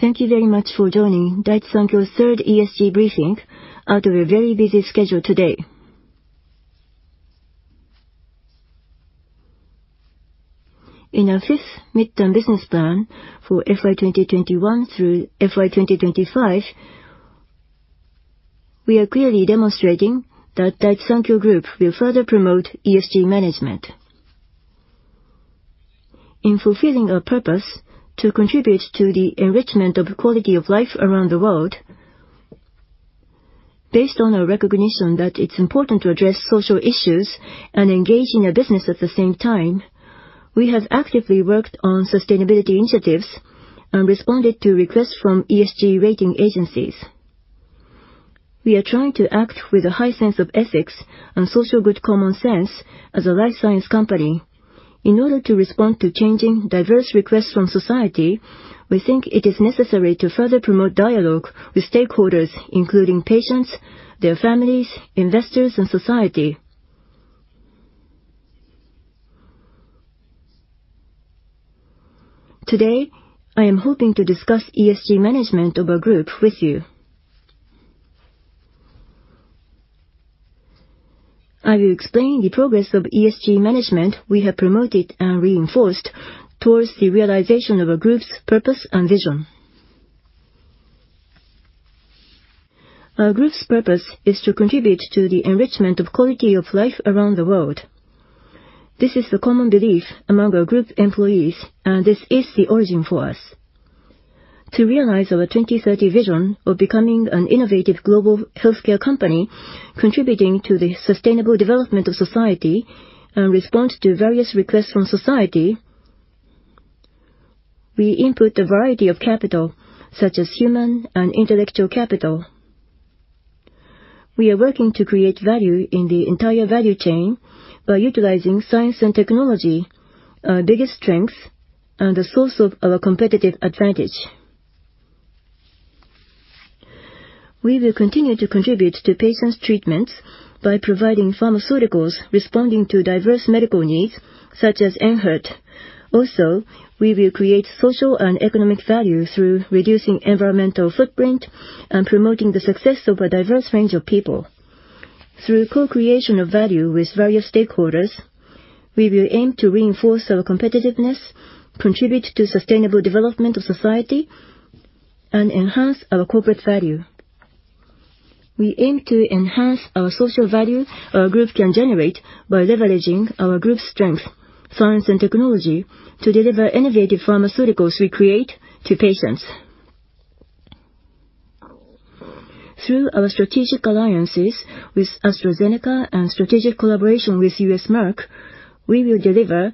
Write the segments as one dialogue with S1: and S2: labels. S1: Thank you very much for joining Daiichi Sankyo's third ESG briefing out of a very busy schedule today. In our fifth midterm business plan for FY 2021 through FY 2025, we are clearly demonstrating that Daiichi Sankyo Group will further promote ESG management. In fulfilling our purpose to contribute to the enrichment of quality of life around the world, based on our recognition that it's important to address social issues and engage in a business at the same time, we have actively worked on sustainability initiatives and responded to requests from ESG rating agencies. We are trying to act with a high sense of ethics and social good common sense as a life science company. In order to respond to changing, diverse requests from society, we think it is necessary to further promote dialogue with stakeholders, including patients, their families, investors, and society. Today, I am hoping to discuss ESG management of our group with you. I will explain the progress of ESG management we have promoted and reinforced towards the realization of our group's purpose and vision. Our group's purpose is to contribute to the enrichment of quality of life around the world. This is the common belief among our group employees, and this is the origin for us. To realize our 2030 vision of becoming an innovative global healthcare company contributing to the sustainable development of society and respond to various requests from society, we input a variety of capital such as human and intellectual capital. We are working to create value in the entire value chain by utilizing science and technology, our biggest strengths, and the source of our competitive advantage. We will continue to contribute to patients' treatments by providing pharmaceuticals responding to diverse medical needs such as ENHERTU. Also, we will create social and economic value through reducing environmental footprint and promoting the success of a diverse range of people. Through co-creation of value with various stakeholders, we will aim to reinforce our competitiveness, contribute to sustainable development of society, and enhance our corporate value. We aim to enhance our social value our group can generate by leveraging our group's strengths, science and technology, to deliver innovative pharmaceuticals we create to patients. Through our strategic alliances with AstraZeneca and strategic collaboration with U.S. Merck, we will deliver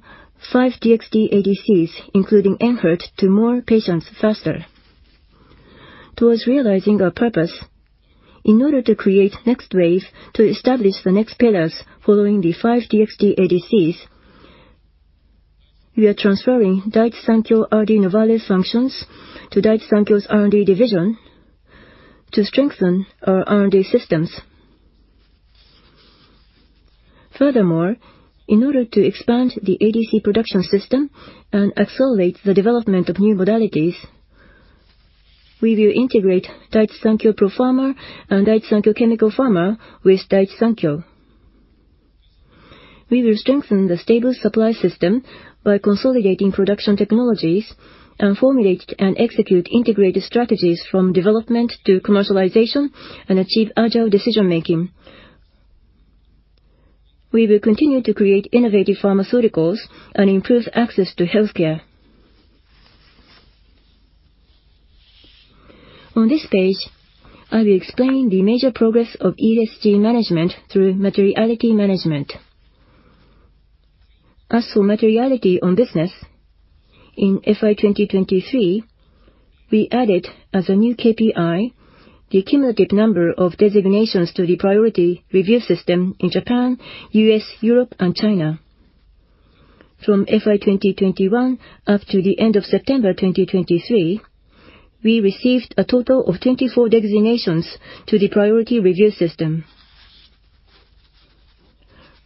S1: five DXd ADCs, including ENHERTU, to more patients faster. Towards realizing our purpose, in order to create NextWave to establish the next pillars following the five DXd ADCs, we are transferring Daiichi Sankyo RD Novare functions to Daiichi Sankyo's R&D division to strengthen our R&D systems. Furthermore, in order to expand the ADC production system and accelerate the development of new modalities, we will integrate Daiichi Sankyo Propharma and Daiichi Sankyo Chemical Pharma with Daiichi Sankyo. We will strengthen the stable supply system by consolidating production technologies and formulate and execute integrated strategies from development to commercialization and achieve agile decision-making. We will continue to create innovative pharmaceuticals and improve access to healthcare. On this page, I will explain the major progress of ESG management through materiality management. As for materiality on business, in FY 2023, we added as a new KPI the cumulative number of designations to the priority review system in Japan, U.S., Europe, and China. From FY 2021 up to the end of September 2023, we received a total of 24 designations to the priority review system.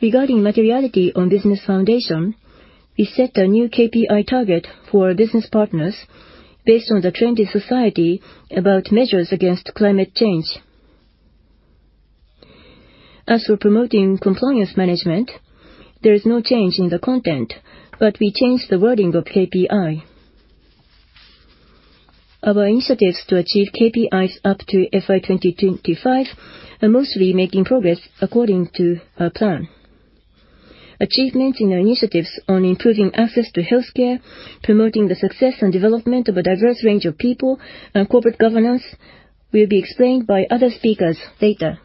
S1: Regarding materiality on business foundation, we set a new KPI target for our business partners based on the trend in society about measures against climate change. As for promoting compliance management, there is no change in the content, but we changed the wording of KPI. Our initiatives to achieve KPIs up to FY 2025 are mostly making progress according to our plan. Achievements in our initiatives on improving access to healthcare, promoting the success and development of a diverse range of people, and corporate governance will be explained by other speakers later.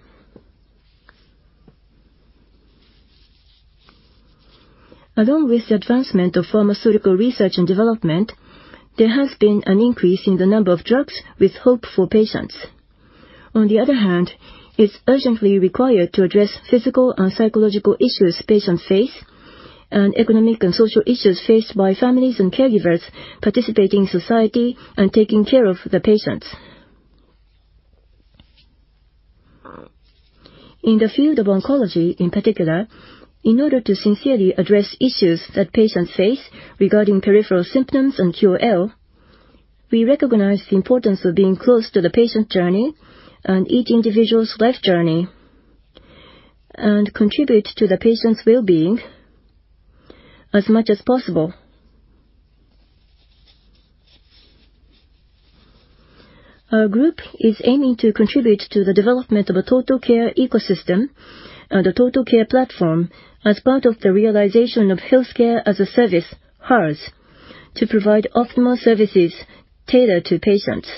S1: Along with the advancement of pharmaceutical research and development, there has been an increase in the number of drugs with hope for patients. On the other hand, it's urgently required to address physical and psychological issues patients face and economic and social issues faced by families and caregivers participating in society and taking care of the patients. In the field of oncology, in particular, in order to sincerely address issues that patients face regarding peripheral symptoms and QOL, we recognize the importance of being close to the patient journey and each individual's life journey and contribute to the patient's well-being as much as possible. Our group is aiming to contribute to the development of a total care ecosystem, the total care platform, as part of the realization of healthcare as a service, HaaS, to provide optimal services tailored to patients.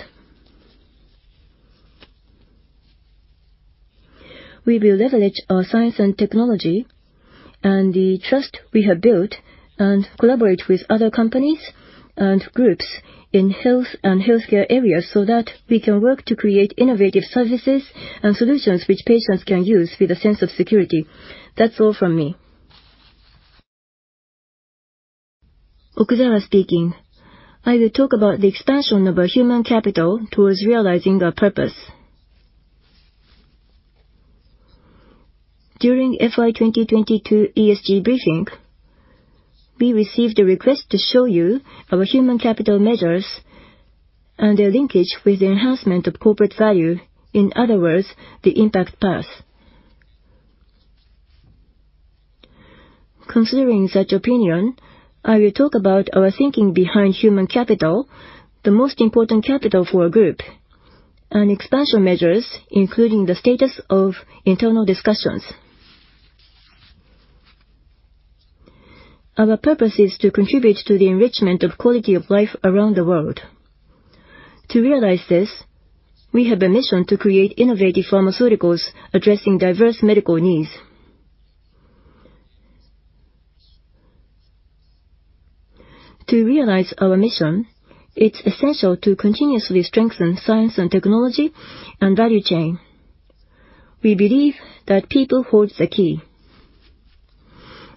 S1: We will leverage our science and technology and the trust we have built and collaborate with other companies and groups in health and healthcare areas so that we can work to create innovative services and solutions which patients can use with a sense of security. That's all from me.
S2: Okuzawa speaking. I will talk about the expansion of our human capital towards realizing our purpose. During FY 2022 ESG briefing, we received a request to show you our human capital measures and their linkage with the enhancement of corporate value, in other words, the impact path. Considering such opinion, I will talk about our thinking behind human capital, the most important capital for our group, and expansion measures, including the status of internal discussions. Our purpose is to contribute to the enrichment of quality of life around the world. To realize this, we have a mission to create innovative pharmaceuticals addressing diverse medical needs. To realize our mission, it's essential to continuously strengthen science and technology and value chain. We believe that people hold the key.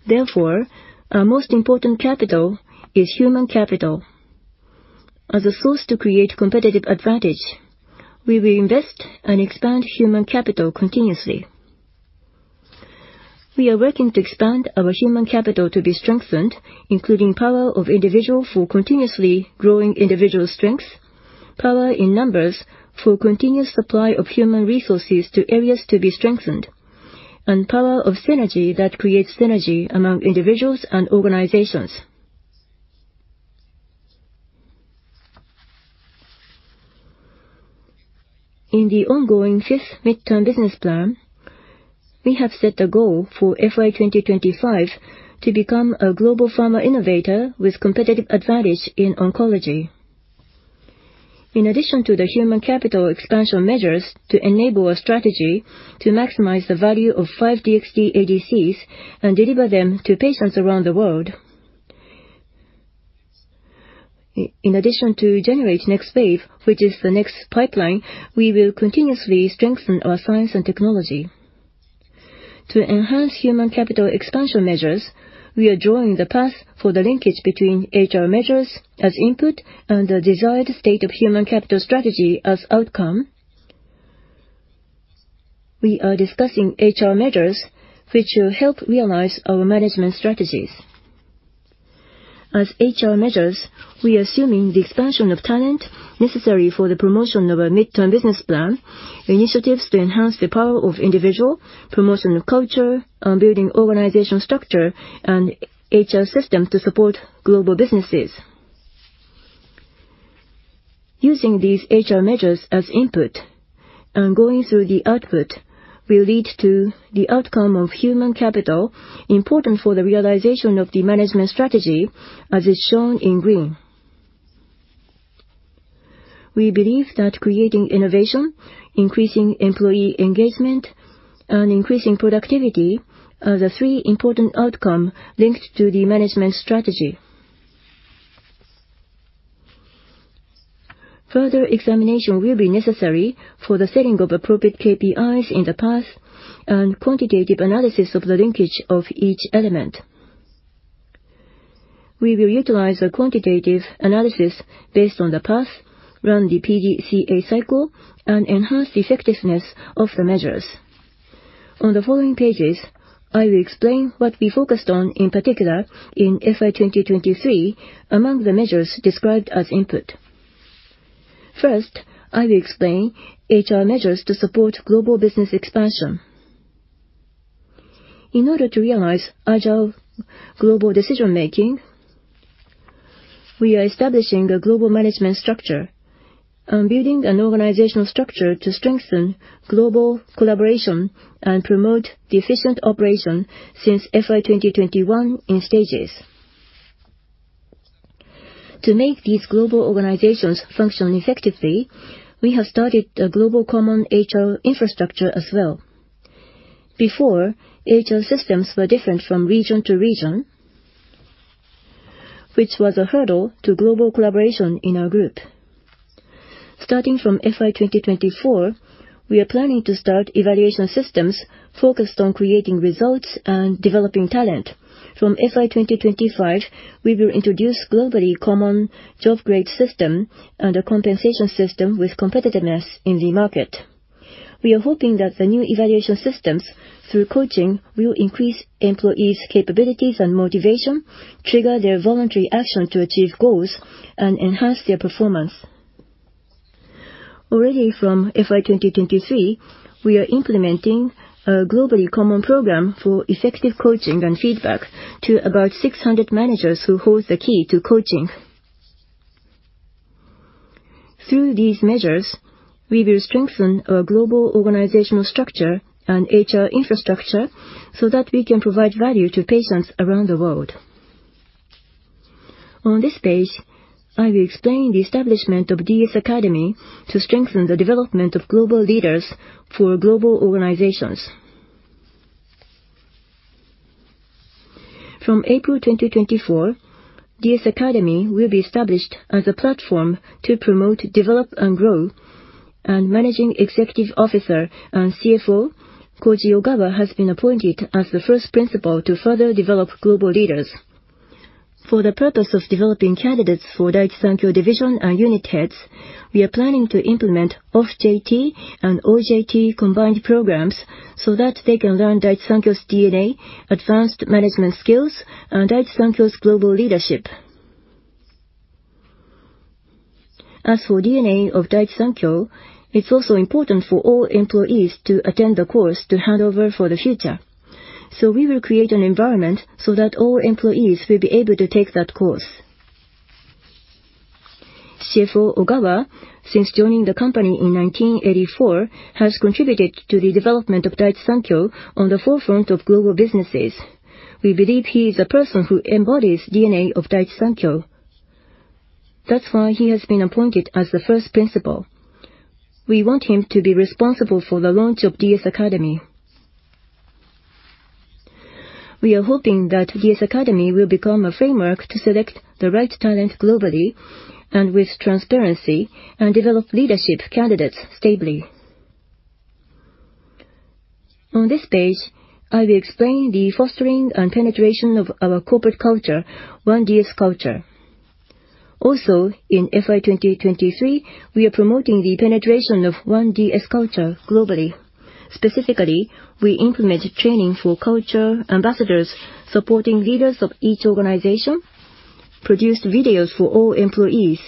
S2: Therefore, our most important capital is human capital. As a source to create competitive advantage, we will invest and expand human capital continuously. We are working to expand our human capital to be strengthened, including power of individual for continuously growing individual strengths, power in numbers for continuous supply of human resources to areas to be strengthened, and power of synergy that creates synergy among individuals and organizations. In the ongoing fifth midterm business plan, we have set a goal for FY 2025 to become a global pharma innovator with competitive advantage in oncology. In addition to the human capital expansion measures to enable a strategy to maximize the value of five DXd ADCs and deliver them to patients around the world. In addition to generate NextWave, which is the next pipeline, we will continuously strengthen our science and technology. To enhance human capital expansion measures, we are drawing the path for the linkage between HR measures as input and the desired state of human capital strategy as outcome. We are discussing HR measures which will help realize our management strategies. As HR measures, we are assuming the expansion of talent necessary for the promotion of a midterm business plan, initiatives to enhance the power of individuals, promotion of culture, and building organizational structure and HR system to support global businesses. Using these HR measures as input and going through the output will lead to the outcome of human capital important for the realization of the management strategy as is shown in green. We believe that creating innovation, increasing employee engagement, and increasing productivity are the three important outcomes linked to the management strategy. Further examination will be necessary for the setting of appropriate KPIs in the path and quantitative analysis of the linkage of each element. We will utilize a quantitative analysis based on the path, run the PDCA cycle, and enhance the effectiveness of the measures. On the following pages, I will explain what we focused on in particular in FY 2023 among the measures described as input. First, I will explain HR measures to support global business expansion. In order to realize agile global decision-making, we are establishing a global management structure and building an organizational structure to strengthen global collaboration and promote the efficient operation since FY 2021 in stages. To make these global organizations function effectively, we have started a global common HR infrastructure as well. Before, HR systems were different from region to region, which was a hurdle to global collaboration in our group. Starting from FY 2024, we are planning to start evaluation systems focused on creating results and developing talent. From FY 2025, we will introduce globally common job grade system and a compensation system with competitiveness in the market. We are hoping that the new evaluation systems through coaching will increase employees' capabilities and motivation, trigger their voluntary action to achieve goals, and enhance their performance. Already from FY 2023, we are implementing a globally common program for effective coaching and feedback to about 600 managers who hold the key to coaching. Through these measures, we will strengthen our global organizational structure and HR infrastructure so that we can provide value to patients around the world. On this page, I will explain the establishment of DS Academy to strengthen the development of global leaders for global organizations. From April 2024, DS Academy will be established as a platform to promote, develop, and grow. Managing Executive Officer and CFO, Koji Ogawa, has been appointed as the first principal to further develop global leaders. For the purpose of developing candidates for Daiichi Sankyo division and unit heads, we are planning to implement Off-JT and OJT combined programs so that they can learn Daiichi Sankyo's DNA, advanced management skills, and Daiichi Sankyo's global leadership. As for DNA of Daiichi Sankyo, it's also important for all employees to attend the course to hand over for the future. We will create an environment so that all employees will be able to take that course. CFO Ogawa, since joining the company in 1984, has contributed to the development of Daiichi Sankyo on the forefront of global businesses. We believe he is a person who embodies DNA of Daiichi Sankyo. That's why he has been appointed as the first principal. We want him to be responsible for the launch of DS Academy. We are hoping that DS Academy will become a framework to select the right talent globally and with transparency and develop leadership candidates stably. On this page, I will explain the fostering and penetration of our corporate culture, One DS Culture. Also, in FY 2023, we are promoting the penetration of One DS Culture globally. Specifically, we implemented training for culture ambassadors supporting leaders of each organization, produced videos for all employees,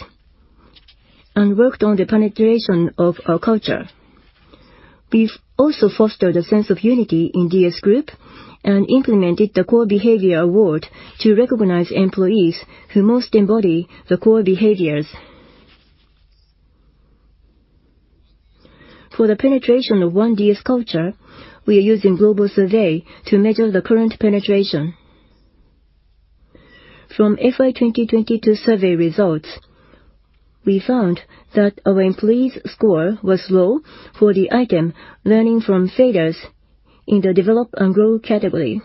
S2: and worked on the penetration of our culture. We've also fostered a sense of unity in DS Group and implemented the Core Behavior Award to recognize employees who most embody the core behaviors. For the penetration of One DS Culture, we are using global survey to measure the current penetration. From FY 2022 survey results, we found that our employees' score was low for the item learning from failures in the develop and grow category.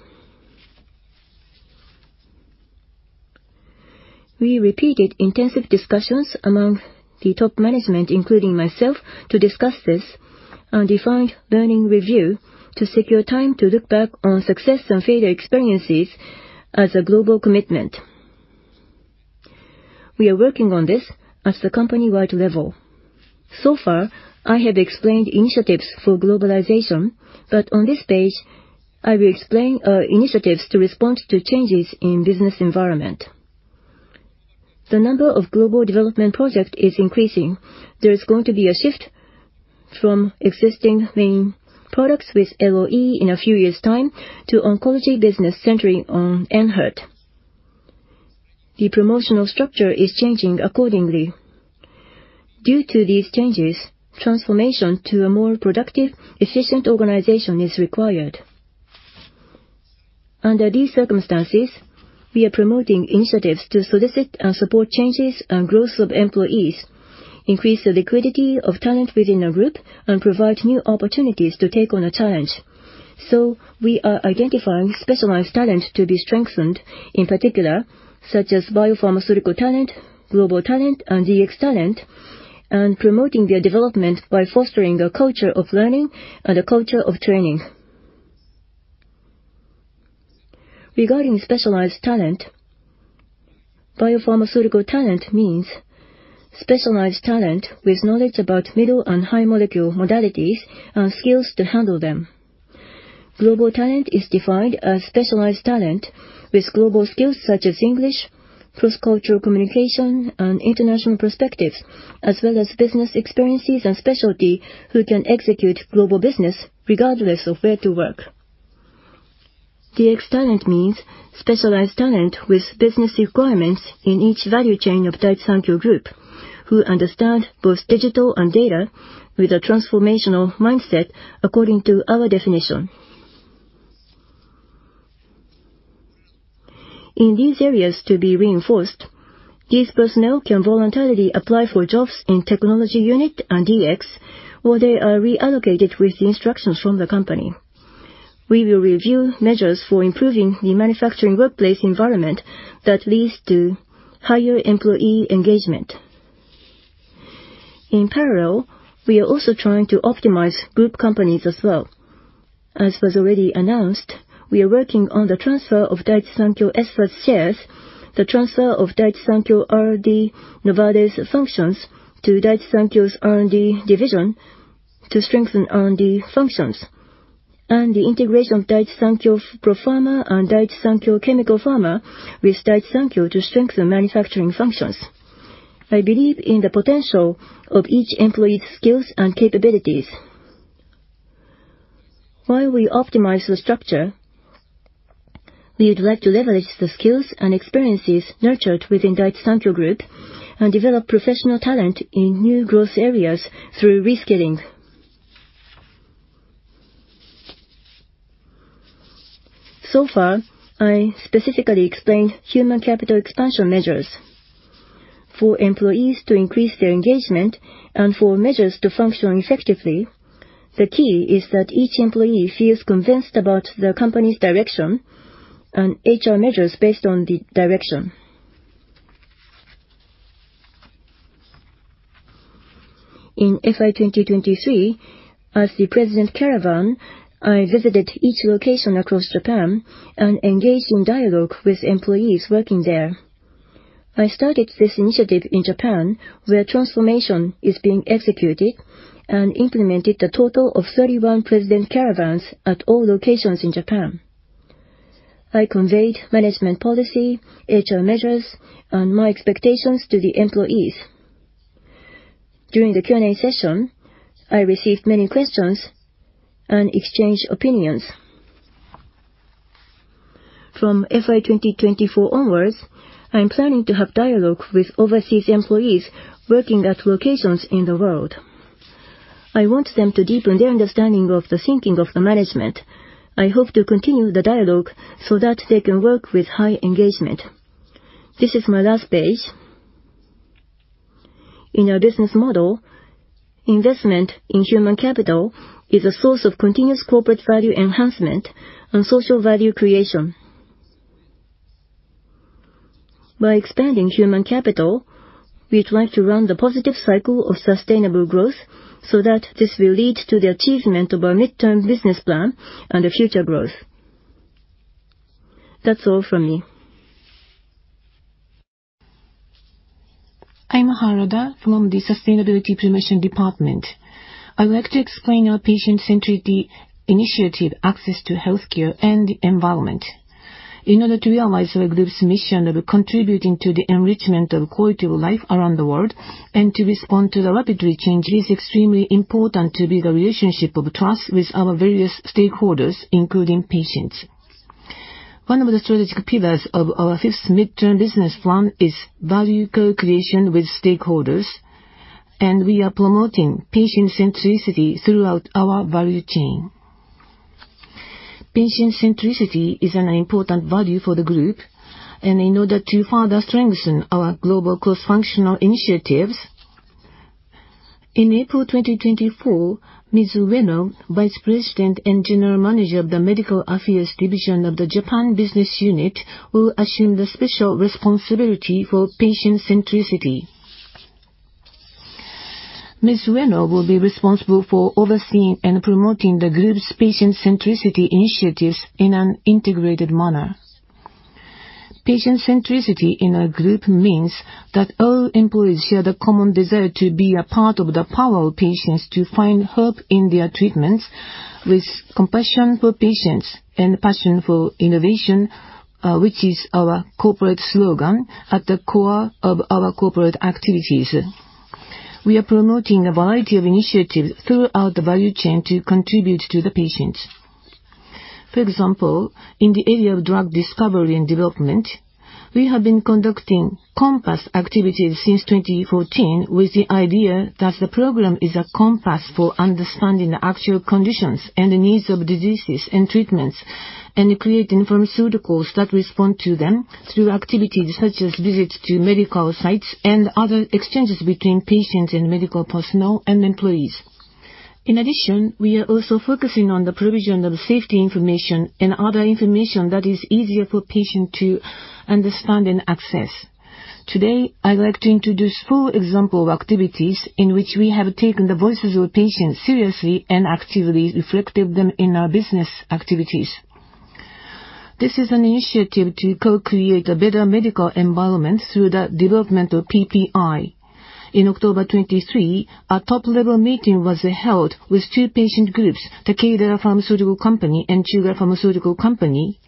S2: We repeated intensive discussions among the top management, including myself, to discuss this and defined learning review to secure time to look back on success and failure experiences as a global commitment. We are working on this at the company-wide level. So far, I have explained initiatives for globalization, but on this page, I will explain initiatives to respond to changes in business environment. The number of global development projects is increasing. There is going to be a shift from existing main products with LOE in a few years' time to oncology business centering on ENHERTU. The promotional structure is changing accordingly. Due to these changes, transformation to a more productive, efficient organization is required. Under these circumstances, we are promoting initiatives to solicit and support changes and growth of employees, increase the liquidity of talent within a group, and provide new opportunities to take on a challenge. We are identifying specialized talent to be strengthened, in particular, such as biopharmaceutical talent, global talent, and DX talent, and promoting their development by fostering a culture of learning and a culture of training. Regarding specialized talent, biopharmaceutical talent means specialized talent with knowledge about middle and high molecule modalities and skills to handle them. Global talent is defined as specialized talent with global skills such as English, cross-cultural communication, and international perspectives, as well as business experiences and specialty who can execute global business regardless of where to work. DX talent means specialized talent with business requirements in each value chain of Daiichi Sankyo Group who understand both digital and data with a transformational mindset according to our definition. In these areas to be reinforced, these personnel can voluntarily apply for jobs in technology unit and DX where they are reallocated with the instructions from the company. We will review measures for improving the manufacturing workplace environment that leads to higher employee engagement. In parallel, we are also trying to optimize group companies as well. As was already announced, we are working on the transfer of Daiichi Sankyo Espha's shares, the transfer of Daiichi Sankyo RD Novare functions to Daiichi Sankyo's R&D division to strengthen R&D functions, and the integration of Daiichi Sankyo Propharma and Daiichi Sankyo Chemical Pharma with Daiichi Sankyo to strengthen manufacturing functions. I believe in the potential of each employee's skills and capabilities. While we optimize the structure, we would like to leverage the skills and experiences nurtured within Daiichi Sankyo Group and develop professional talent in new growth areas through reskilling. So far, I specifically explained human capital expansion measures. For employees to increase their engagement and for measures to function effectively, the key is that each employee feels convinced about the company's direction and HR measures based on the direction. In FY 2023, as the President Caravan, I visited each location across Japan and engaged in dialogue with employees working there. I started this initiative in Japan where transformation is being executed and implemented a total of 31 President Caravans at all locations in Japan. I conveyed management policy, HR measures, and my expectations to the employees. During the Q&A session, I received many questions and exchanged opinions. From FY 2024 onwards, I'm planning to have dialogue with overseas employees working at locations in the world. I want them to deepen their understanding of the thinking of the management. I hope to continue the dialogue so that they can work with high engagement. This is my last page. In our business model, investment in human capital is a source of continuous corporate value enhancement and social value creation. By expanding human capital, we'd like to run the positive cycle of sustainable growth so that this will lead to the achievement of our midterm business plan and the future growth. That's all from me.
S3: I'm Harada from the sustainability promotion department. I would like to explain our patient-centered initiative, access to healthcare and environment. In order to realize our group's mission of contributing to the enrichment of quality of life around the world and to respond to the rapidly changing, it is extremely important to build a relationship of trust with our various stakeholders, including patients. One of the strategic pillars of our fifth midterm business plan is value co-creation with stakeholders, and we are promoting patient centricity throughout our value chain. Patient centricity is an important value for the group. In order to further strengthen our global cross-functional initiatives, in April 2024, Ms. Ueno, Vice President and General Manager of the Medical Affairs Division of the Japan Business Unit, will assume the special responsibility for patient centricity. Ms. Ueno will be responsible for overseeing and promoting the group's patient centricity initiatives in an integrated manner. Patient centricity in our group means that all employees share the common desire to be a part of the power of patients to find hope in their treatments with compassion for patients and passion for innovation, which is our corporate slogan at the core of our corporate activities. We are promoting a variety of initiatives throughout the value chain to contribute to the patients. For example, in the area of drug discovery and development, we have been conducting COMPASS activities since 2014 with the idea that the program is a compass for understanding the actual conditions and the needs of diseases and treatments and creating pharmaceuticals that respond to them through activities such as visits to medical sites and other exchanges between patients and medical personnel and employees. In addition, we are also focusing on the provision of safety information and other information that is easier for patients to understand and access. Today, I'd like to introduce four example activities in which we have taken the voices of patients seriously and actively reflected them in our business activities. This is an initiative to co-create a better medical environment through the development of PPI. In October 2023, a top-level meeting was held with two patient groups, Takeda Pharmaceutical Company and Chugai Pharmaceutical Company.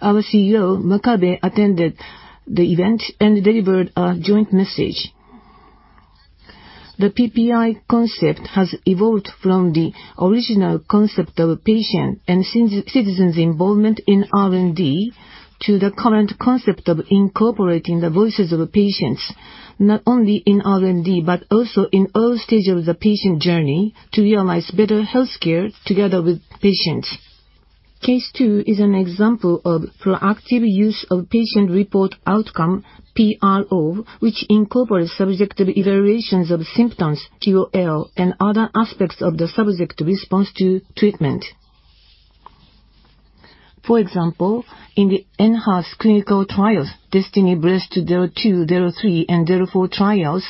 S3: Our CEO, Manabe, attended the event and delivered a joint message. The PPI concept has evolved from the original concept of patient and citizens involvement in R&D to the current concept of incorporating the voices of patients not only in R&D but also in all stages of the patient journey to realize better healthcare together with patients. Case two is an example of proactive use of patient-reported outcome, PRO, which incorporates subjective evaluations of symptoms, QOL, and other aspects of the treatment response to treatment. For example, in the ENHERTU clinical trials, DESTINY-Breast 02, 03, and 04 trials,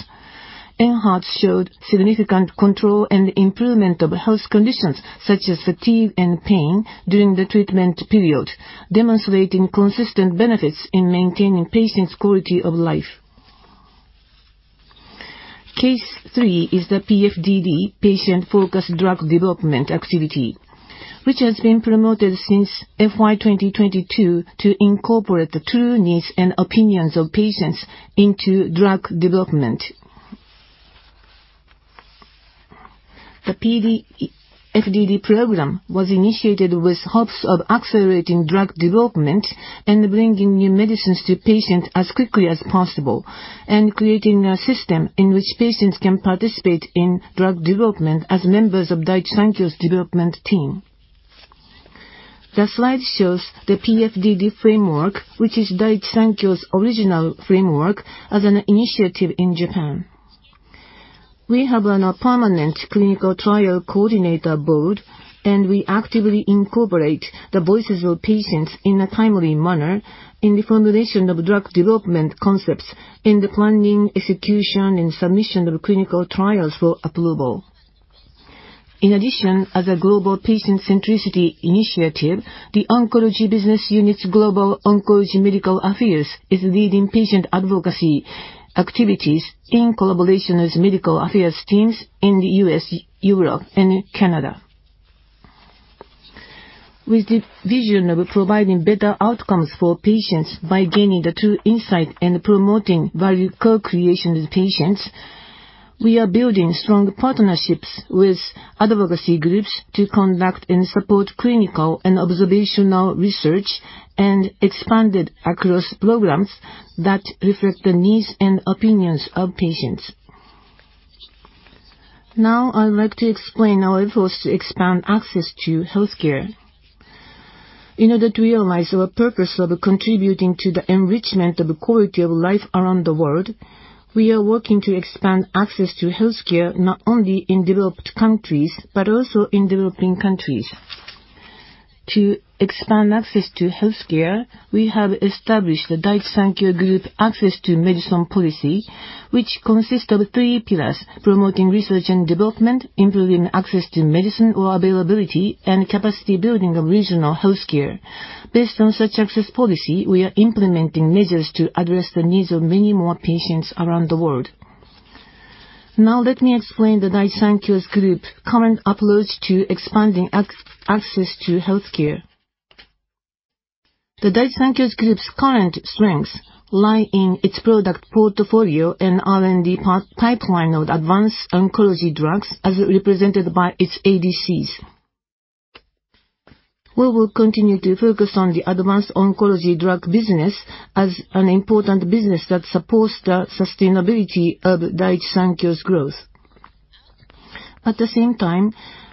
S3: ENHERTU showed significant control and improvement of health conditions such as fatigue and pain during the treatment period, demonstrating consistent benefits in maintaining patients' quality of life. Case three is the PFDD, patient-focused drug development activity, which has been promoted since FY 2022 to incorporate the true needs and opinions of patients into drug development. The PFDD program was initiated with hopes of accelerating drug development and bringing new medicines to patients as quickly as possible and creating a system in which patients can participate in drug development as members of Daiichi Sankyo's development team. The slide shows the PFDD framework, which is Daiichi Sankyo's original framework, as an initiative in Japan. We have a permanent clinical trial coordinator board, and we actively incorporate the voices of patients in a timely manner in the formulation of drug development concepts in the planning, execution, and submission of clinical trials for approval. In addition, as a global patient centricity initiative, the oncology business unit's global oncology medical affairs is leading patient advocacy activities in collaboration with medical affairs teams in the U.S., Europe, and Canada. With the vision of providing better outcomes for patients by gaining the true insight and promoting value co-creation with patients, we are building strong partnerships with advocacy groups to conduct and support clinical and observational research and expand it across programs that reflect the needs and opinions of patients. Now, I'd like to explain our efforts to expand access to healthcare. In order to realize our purpose of contributing to the enrichment of quality of life around the world, we are working to expand access to healthcare not only in developed countries but also in developing countries. To expand access to healthcare, we have established the Daiichi Sankyo Group Access to Medicine policy, which consists of three pillars: promoting research and development, improving access to medicine or availability, and capacity building of regional healthcare. Based on such access policy, we are implementing measures to address the needs of many more patients around the world. Now, let me explain the Daiichi Sankyo Group's current approach to expanding access to healthcare. The Daiichi Sankyo Group's current strengths lie in its product portfolio and R&D pipeline of advanced oncology drugs as represented by its ADCs. We will continue to focus on the advanced oncology drug business as an important business that supports the sustainability of Daiichi Sankyo's growth. At the same time,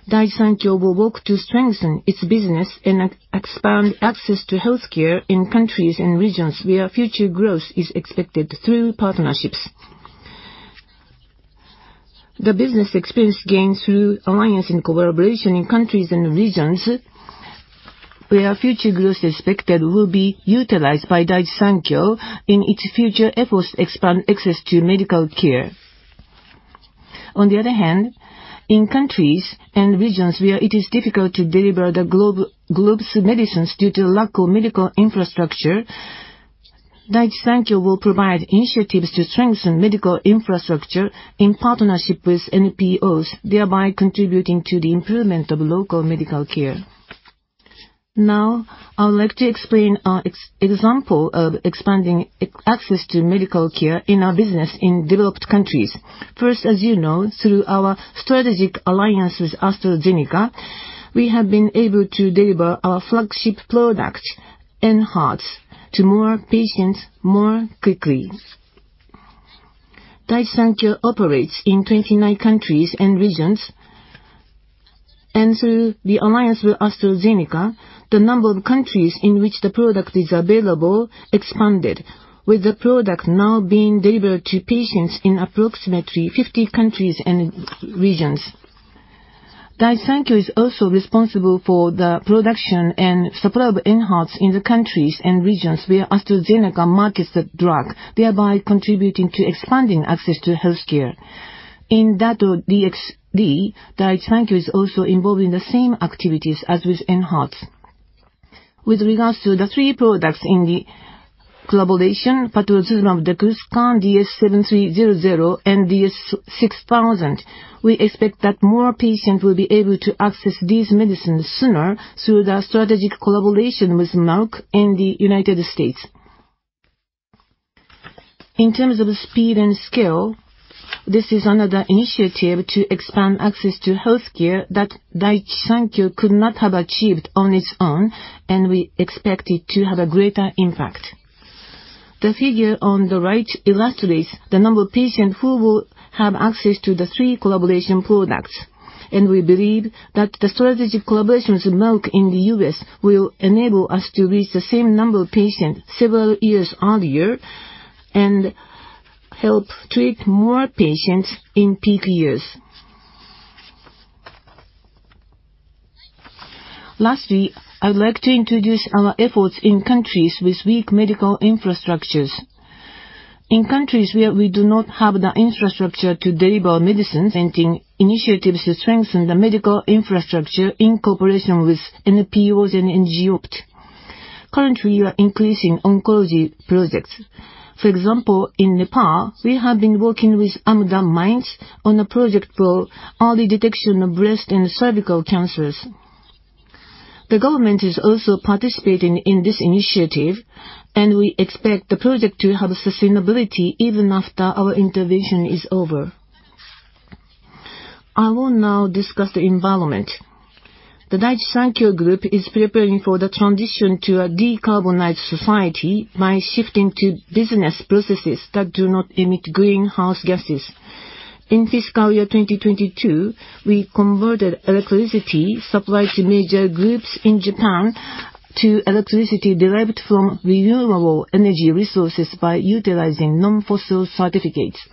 S3: Daiichi Sankyo will work to strengthen its business and expand access to healthcare in countries and regions where future growth is expected through partnerships. The business experience gained through alliance and collaboration in countries and regions where future growth is expected will be utilized by Daiichi Sankyo in its future efforts to expand access to medical care. On the other hand, in countries and regions where it is difficult to deliver the globe's medicines due to lack of medical infrastructure, Daiichi Sankyo will provide initiatives to strengthen medical infrastructure in partnership with NPOs, thereby contributing to the improvement of local medical care. Now, I would like to explain an example of expanding access to medical care in our business in developed countries. First, as you know, through our strategic alliance with AstraZeneca, we have been able to deliver our flagship product, ENHERTU, to more patients more quickly. Daiichi Sankyo operates in 29 countries and regions. Through the alliance with AstraZeneca, the number of countries in which the product is available expanded, with the product now being delivered to patients in approximately 50 countries and regions. Daiichi Sankyo is also responsible for the production and supply of ENHERTU in the countries and regions where AstraZeneca markets the drug, thereby contributing to expanding access to healthcare. In Dato-DXd, Daiichi Sankyo is also involved in the same activities as with ENHERTU. With regards to the three products in the collaboration, patritumab deruxtecan, DS-7300, and DS-6000, we expect that more patients will be able to access these medicines sooner through the strategic collaboration with Merck in the United States. In terms of speed and scale, this is another initiative to expand access to healthcare that Daiichi Sankyo could not have achieved on its own, and we expect it to have a greater impact. The figure on the right illustrates the number of patients who will have access to the three collaboration products. We believe that the strategic collaboration with Merck in the U.S. will enable us to reach the same number of patients several years earlier and help treat more patients in peak years. Lastly, I would like to introduce our efforts in countries with weak medical infrastructures. In countries where we do not have the infrastructure to deliver medicines, presenting initiatives to strengthen the medical infrastructure in cooperation with NPOs and NGOs. Currently, we are increasing oncology projects. For example, in Nepal, we have been working with AMDA-MINDS on a project for early detection of breast and cervical cancers. The government is also participating in this initiative, and we expect the project to have sustainability even after our intervention is over. I will now discuss the environment. The Daiichi Sankyo Group is preparing for the transition to a decarbonized society by shifting to business processes that do not emit greenhouse gases. In fiscal year 2022, we converted electricity supplied to major groups in Japan to electricity derived from renewable energy resources by utilizing non-fossil certificates.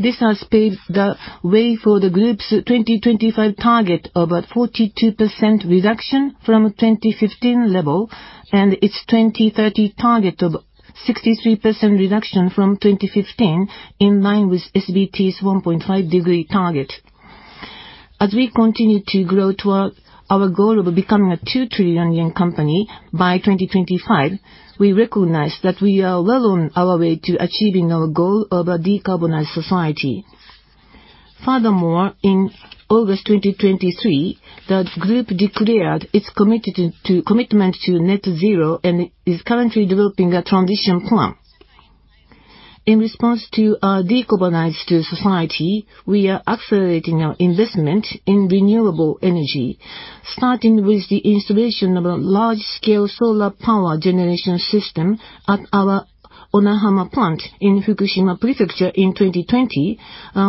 S3: This has paved the way for the group's 2025 target of a 42% reduction from 2015 level and its 2030 target of 63% reduction from 2015 in line with SBT's 1.5-degree target. As we continue to grow toward our goal of becoming a 2 trillion yen company by 2025, we recognize that we are well on our way to achieving our goal of a decarbonized society. Furthermore, in August 2023, the group declared its commitment to net zero and is currently developing a transition plan. In response to our decarbonized society, we are accelerating our investment in renewable energy, starting with the installation of a large-scale solar power generation system at our Onahama plant in Fukushima Prefecture in 2020,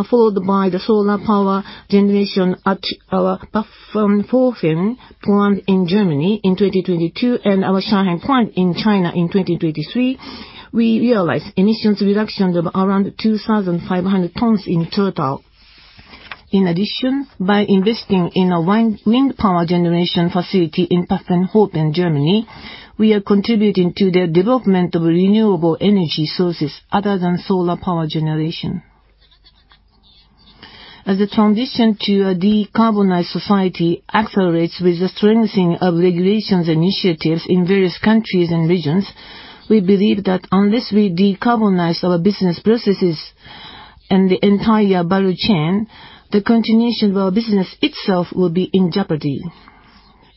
S3: followed by the solar power generation at our Pfaffenhofen plant in Germany in 2022 and our Shanghai plant in China in 2023. We realized emissions reduction of around 2,500 tons in total. In addition, by investing in a wind power generation facility in Pfaffenhofen, Germany, we are contributing to the development of renewable energy sources other than solar power generation. As the transition to a decarbonized society accelerates with the strengthening of regulations and initiatives in various countries and regions, we believe that unless we decarbonize our business processes and the entire value chain, the continuation of our business itself will be in jeopardy.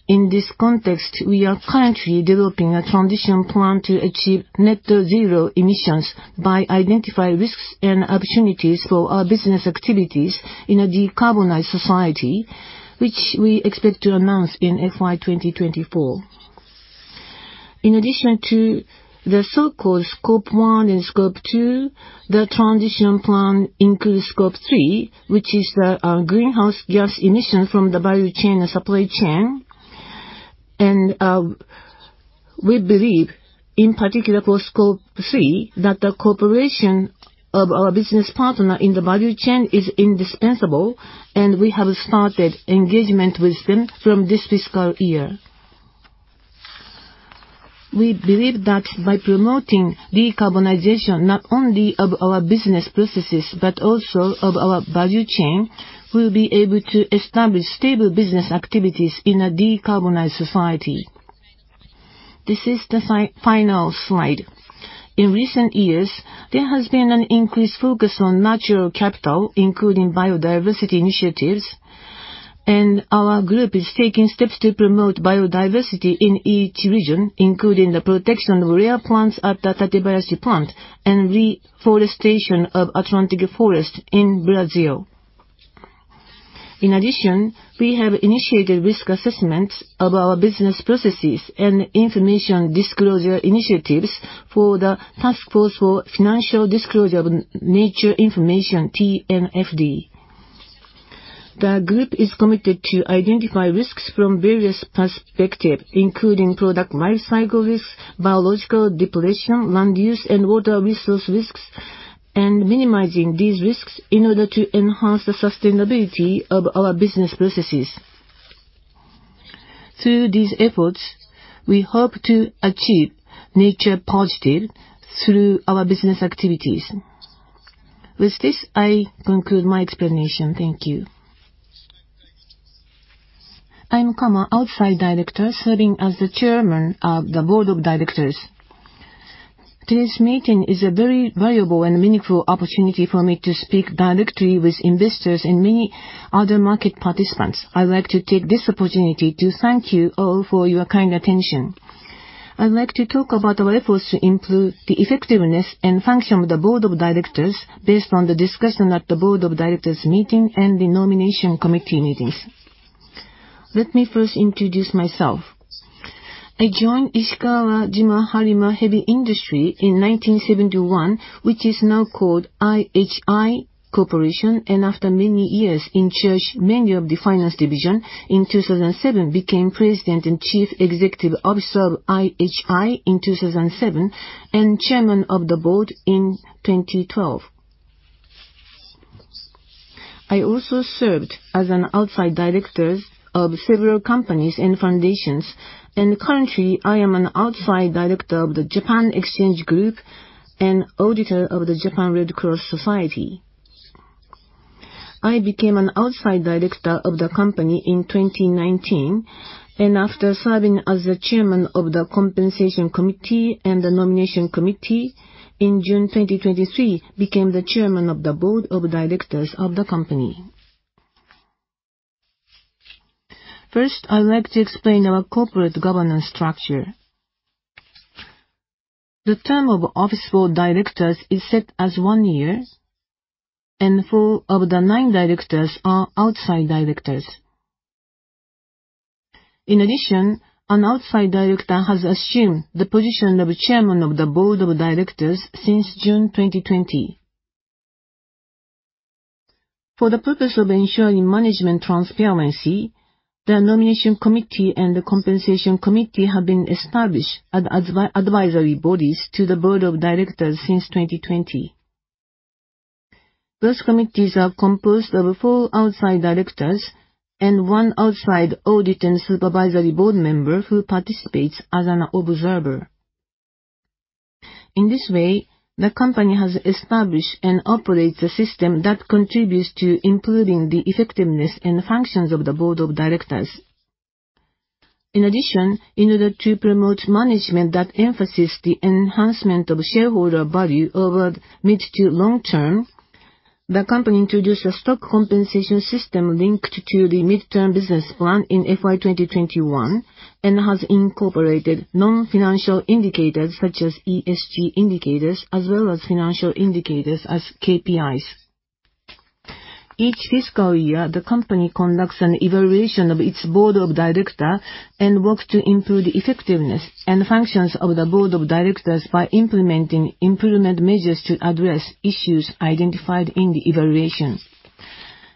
S3: In this context, we are currently developing a transition plan to achieve net zero emissions by identifying risks and opportunities for our business activities in a decarbonized society, which we expect to announce in FY 2024. In addition to the so-called Scope 1 and Scope 2, the transition plan includes Scope 3, which is the greenhouse gas emissions from the value chain and supply chain. We believe, in particular for Scope 3, that the cooperation of our business partner in the value chain is indispensable, and we have started engagement with them from this fiscal year. We believe that by promoting decarbonization not only of our business processes but also of our value chain, we will be able to establish stable business activities in a decarbonized society. This is the final slide. In recent years, there has been an increased focus on natural capital, including biodiversity initiatives. Our group is taking steps to promote biodiversity in each region, including the protection of rare plants at the Tatebayashi plant and reforestation of Atlantic Forest in Brazil. In addition, we have initiated risk assessments of our business processes and information disclosure initiatives for the Taskforce on Nature-related Financial Disclosures, TNFD. The group is committed to identify risks from various perspectives, including product life cycle risks, biological depletion, land use, and water resource risks, and minimizing these risks in order to enhance the sustainability of our business processes. Through these efforts, we hope to achieve nature positive through our business activities. With this, I conclude my explanation. Thank you.
S4: I'm Kama, Outside Director, serving as the Chairman of the Board of Directors. Today's meeting is a very valuable and meaningful opportunity for me to speak directly with investors and many other market participants. I'd like to take this opportunity to thank you all for your kind attention. I'd like to talk about our efforts to improve the effectiveness and function of the board of directors based on the discussion at the board of directors meeting and the nomination committee meetings. Let me first introduce myself. I joined Ishikawajima-Harima Heavy Industries in 1971, which is now called IHI Corporation, and after many years in the management of the finance division, in 2007, became President and Chief Executive Officer of IHI in 2007 and Chairman of the Board in 2012. I also served as an outside director of several companies and foundations. Currently, I am an outside director of the Japan Exchange Group and auditor of the Japan Red Cross Society. I became an outside director of the company in 2019, and after serving as the chairman of the compensation committee and the nomination committee in June 2023, became the chairman of the board of directors of the company. First, I'd like to explain our corporate governance structure. The term of office for directors is set as one year, and four of the nine directors are outside directors. In addition, an outside director has assumed the position of chairman of the board of directors since June 2020. For the purpose of ensuring management transparency, the nomination committee and the compensation committee have been established as advisory bodies to the board of directors since 2020. Those committees are composed of four outside directors and one outside audit and supervisory board member who participates as an observer. In this way, the company has established and operates a system that contributes to improving the effectiveness and functions of the board of directors. In addition, in order to promote management that emphasizes the enhancement of shareholder value over mid to long term, the company introduced a stock compensation system linked to the midterm business plan in FY 2021 and has incorporated non-financial indicators such as ESG indicators as well as financial indicators as KPIs. Each fiscal year, the company conducts an evaluation of its board of directors and works to improve the effectiveness and functions of the board of directors by implementing improvement measures to address issues identified in the evaluation.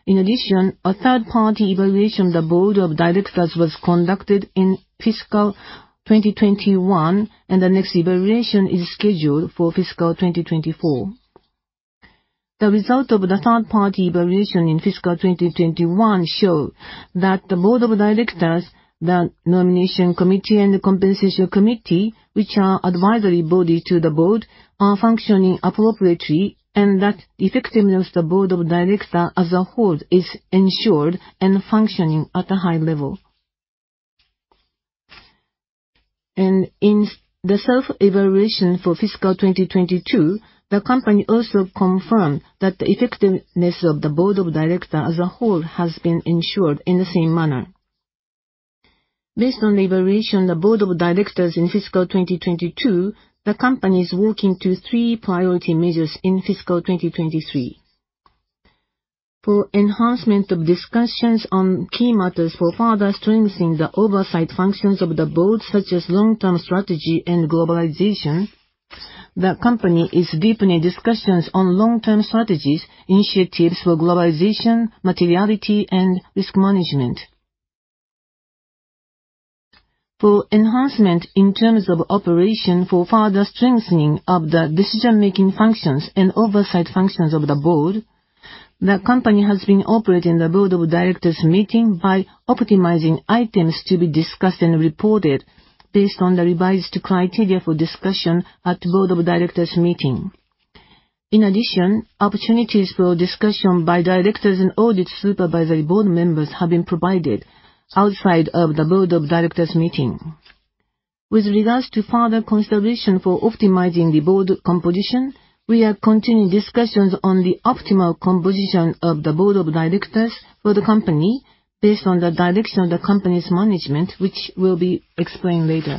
S4: In addition, a third-party evaluation of the board of directors was conducted in fiscal 2021, and the next evaluation is scheduled for fiscal 2024. The result of the third-party evaluation in fiscal 2021 showed that the board of directors, the nomination committee, and the compensation committee, which are advisory bodies to the board, are functioning appropriately and that the effectiveness of the board of directors as a whole is ensured and functioning at a high level. In the self-evaluation for fiscal 2022, the company also confirmed that the effectiveness of the board of directors as a whole has been ensured in the same manner. Based on the evaluation of the board of directors in fiscal 2022, the company is working to three priority measures in fiscal 2023. For enhancement of discussions on key matters for further strengthening the oversight functions of the board, such as long-term strategy and globalization, the company is deepening discussions on long-term strategies, initiatives for globalization, materiality, and risk management. For enhancement in terms of operation for further strengthening of the decision-making functions and oversight functions of the board, the company has been operating the board of directors meeting by optimizing items to be discussed and reported based on the revised criteria for discussion at the board of directors meeting. In addition, opportunities for discussion by directors and audit supervisory board members have been provided outside of the board of directors meeting. With regards to further consideration for optimizing the board composition, we are continuing discussions on the optimal composition of the board of directors for the company based on the direction of the company's management, which will be explained later.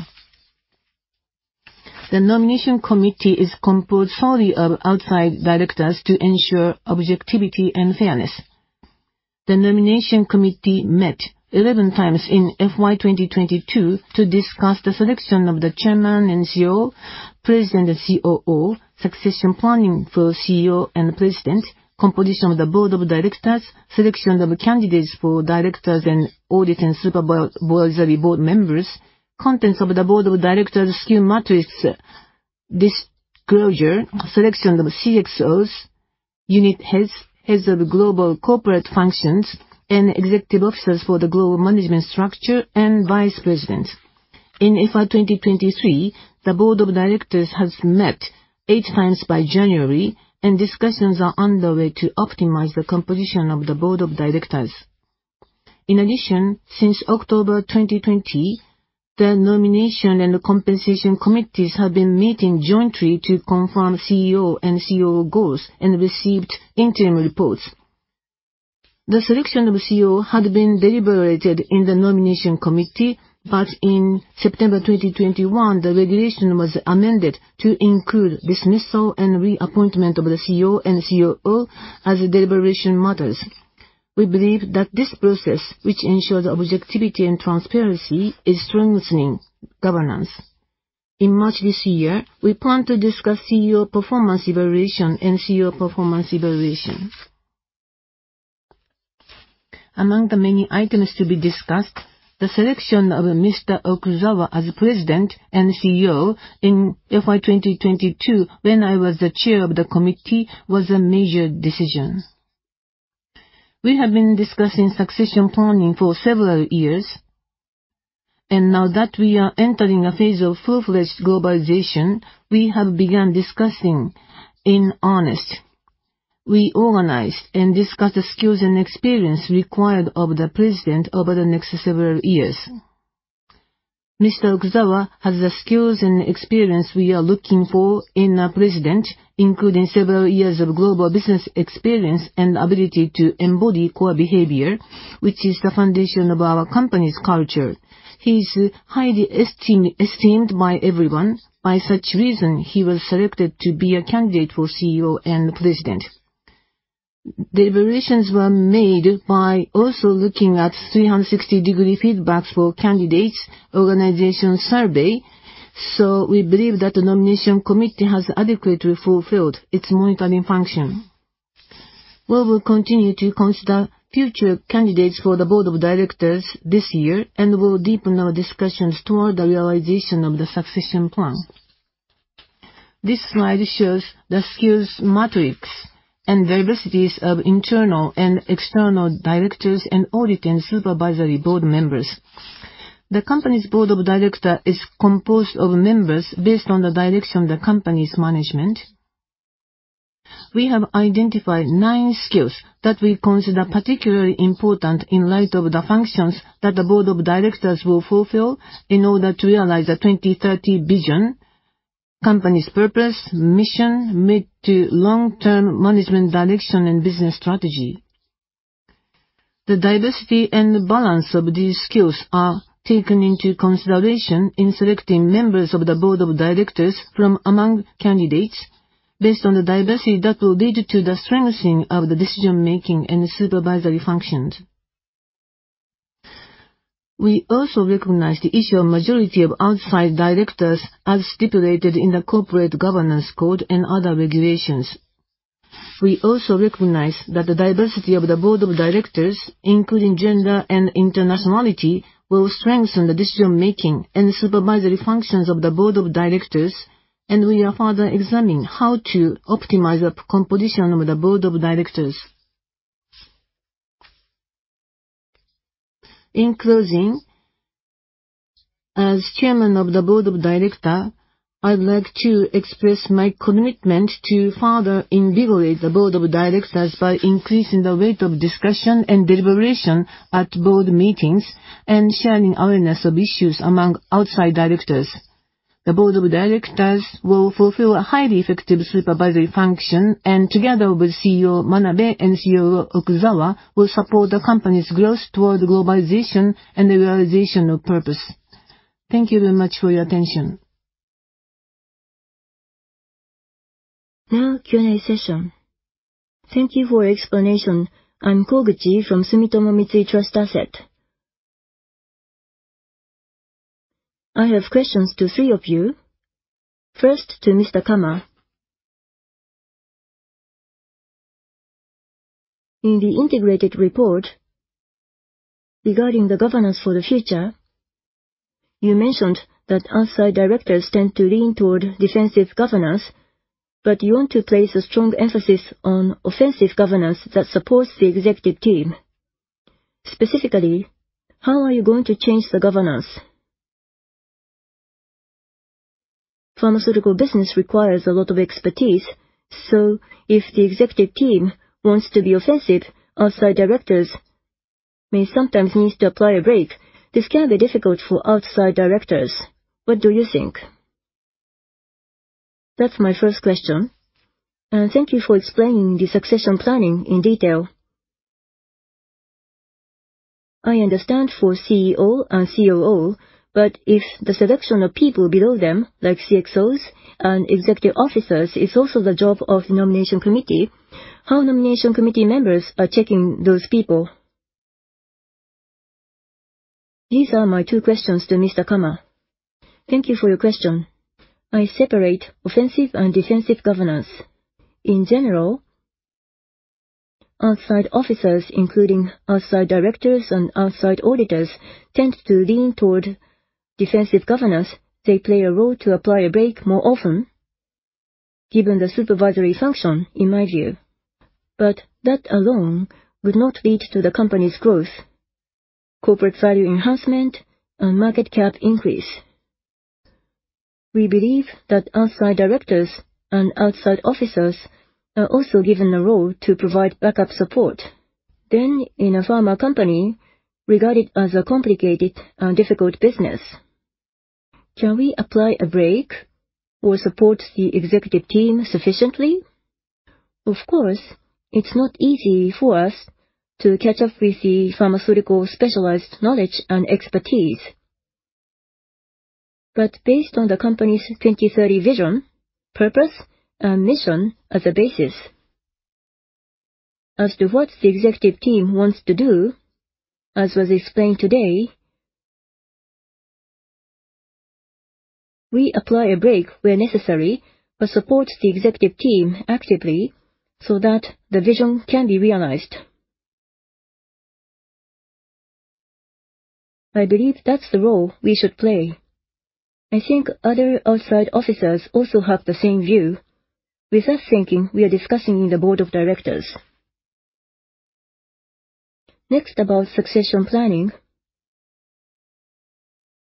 S4: The nomination committee is composed solely of outside directors to ensure objectivity and fairness. The Nomination Committee met 11 times in FY 2022 to discuss the selection of the Chairman and CEO, President and COO, succession planning for CEO and President, composition of the Board of Directors, selection of candidates for directors and audit and supervisory board members, contents of the Board of Directors' scheme matrix disclosure, selection of CXOs, unit heads, heads of global corporate functions, and executive officers for the global management structure, and vice president. In FY 2023, the Board of Directors has met 8 times by January, and discussions are underway to optimize the composition of the Board of Directors. In addition, since October 2020, the nomination and compensation committees have been meeting jointly to confirm CEO and COO goals and received interim reports. The selection of CEO had been deliberated in the nomination committee, but in September 2021, the regulation was amended to include dismissal and reappointment of the CEO and COO as deliberation matters. We believe that this process, which ensures objectivity and transparency, is strengthening governance. In March this year, we plan to discuss CEO performance evaluation and CEO performance evaluation. Among the many items to be discussed, the selection of Mr. Okuzawa as president and CEO in FY 2022 when I was the chair of the committee was a major decision. We have been discussing succession planning for several years, and now that we are entering a phase of full-fledged globalization, we have begun discussing in earnest. We organized and discussed the skills and experience required of the president over the next several years. Mr. Okuzawa has the skills and experience we are looking for in a president, including several years of global business experience and ability to embody core behavior, which is the foundation of our company's culture. He is highly esteemed by everyone. By such reason, he was selected to be a candidate for CEO and president. Deliberations were made by also looking at 360-degree feedbacks for candidates' organization survey, so we believe that the nomination committee has adequately fulfilled its monitoring function. We will continue to consider future candidates for the board of directors this year and will deepen our discussions toward the realization of the succession plan. This slide shows the skills matrix and diversities of internal and external directors and audit and supervisory board members. The company's board of directors is composed of members based on the direction of the company's management. We have identified nine skills that we consider particularly important in light of the functions that the Board of Directors will fulfill in order to realize the 2030 vision, company's purpose, mission, mid- to long-term management direction, and business strategy. The diversity and balance of these skills are taken into consideration in selecting members of the Board of Directors from among candidates based on the diversity that will lead to the strengthening of the decision-making and supervisory functions. We also recognize the issue of majority of outside directors as stipulated in the corporate governance code and other regulations. We also recognize that the diversity of the Board of Directors, including gender and internationality, will strengthen the decision-making and supervisory functions of the Board of Directors, and we are further examining how to optimize the composition of the Board of Directors. In closing, as Chairman of the Board of Directors, I'd like to express my commitment to further invigorate the board of directors by increasing the weight of discussion and deliberation at board meetings and sharing awareness of issues among outside directors. The board of directors will fulfill a highly effective supervisory function, and together with CEO Manabe and CEO Okuzawa, will support the company's growth toward globalization and the realization of purpose. Thank you very much for your attention.
S5: Now, Q&A session.
S6: Thank you for your explanation. I'm Koguchi from Sumitomo Mitsui Trust Asset Management. I have questions to three of you. First, to Mr. Kama. In the integrated report regarding the governance for the future, you mentioned that outside directors tend to lean toward defensive governance, but you want to place a strong emphasis on offensive governance that supports the executive team. Specifically, how are you going to change the governance? Pharmaceutical business requires a lot of expertise, so if the executive team wants to be offensive, outside directors may sometimes need to apply a brake. This can be difficult for outside directors. What do you think? That's my first question. Thank you for explaining the succession planning in detail. I understand for CEO and COO, but if the selection of people below them, like CXOs and executive officers, is also the job of the nomination committee, how are nomination committee members checking those people? These are my two questions to Mr. Kama.
S4: Thank you for your question. I separate offensive and defensive governance. In general, outside officers, including outside directors and outside auditors, tend to lean toward defensive governance. They play a role to apply a brake more often given the supervisory function, in my view. That alone would not lead to the company's growth, corporate value enhancement, and market cap increase. We believe that outside directors and outside officers are also given a role to provide backup support. In a pharma company regarded as a complicated and difficult business, can we apply a brake or support the executive team sufficiently? Of course, it's not easy for us to catch up with the pharmaceutical specialized knowledge and expertise. Based on the company's 2030 vision, purpose, and mission as a basis, as to what the executive team wants to do, as was explained today, we apply a brake where necessary but support the executive team actively so that the vision can be realized. I believe that's the role we should play. I think other outside officers also have the same view with us thinking we are discussing in the board of directors. Next, about succession planning.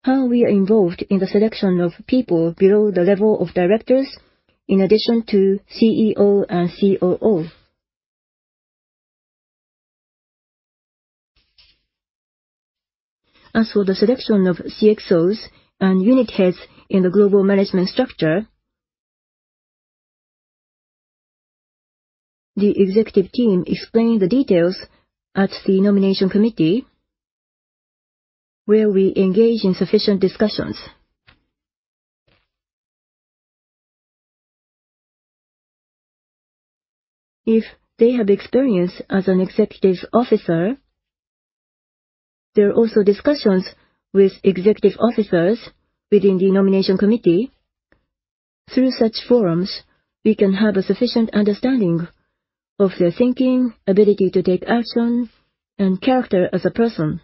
S4: How are we involved in the selection of people below the level of directors in addition to CEO and COO? As for the selection of CXOs and unit heads in the global management structure, the executive team explained the details at the nomination committee where we engage in sufficient discussions. If they have experience as an executive officer, there are also discussions with executive officers within the nomination committee. Through such forums, we can have a sufficient understanding of their thinking, ability to take action, and character as a person.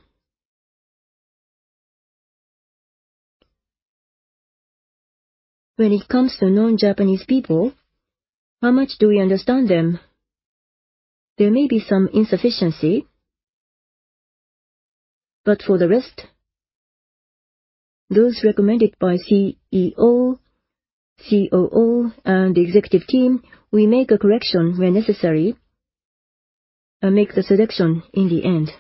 S4: When it comes to non-Japanese people, how much do we understand them? There may be some insufficiency, but for the rest, those recommended by CEO, COO, and executive team, we make a correction where necessary and make the selection in the end.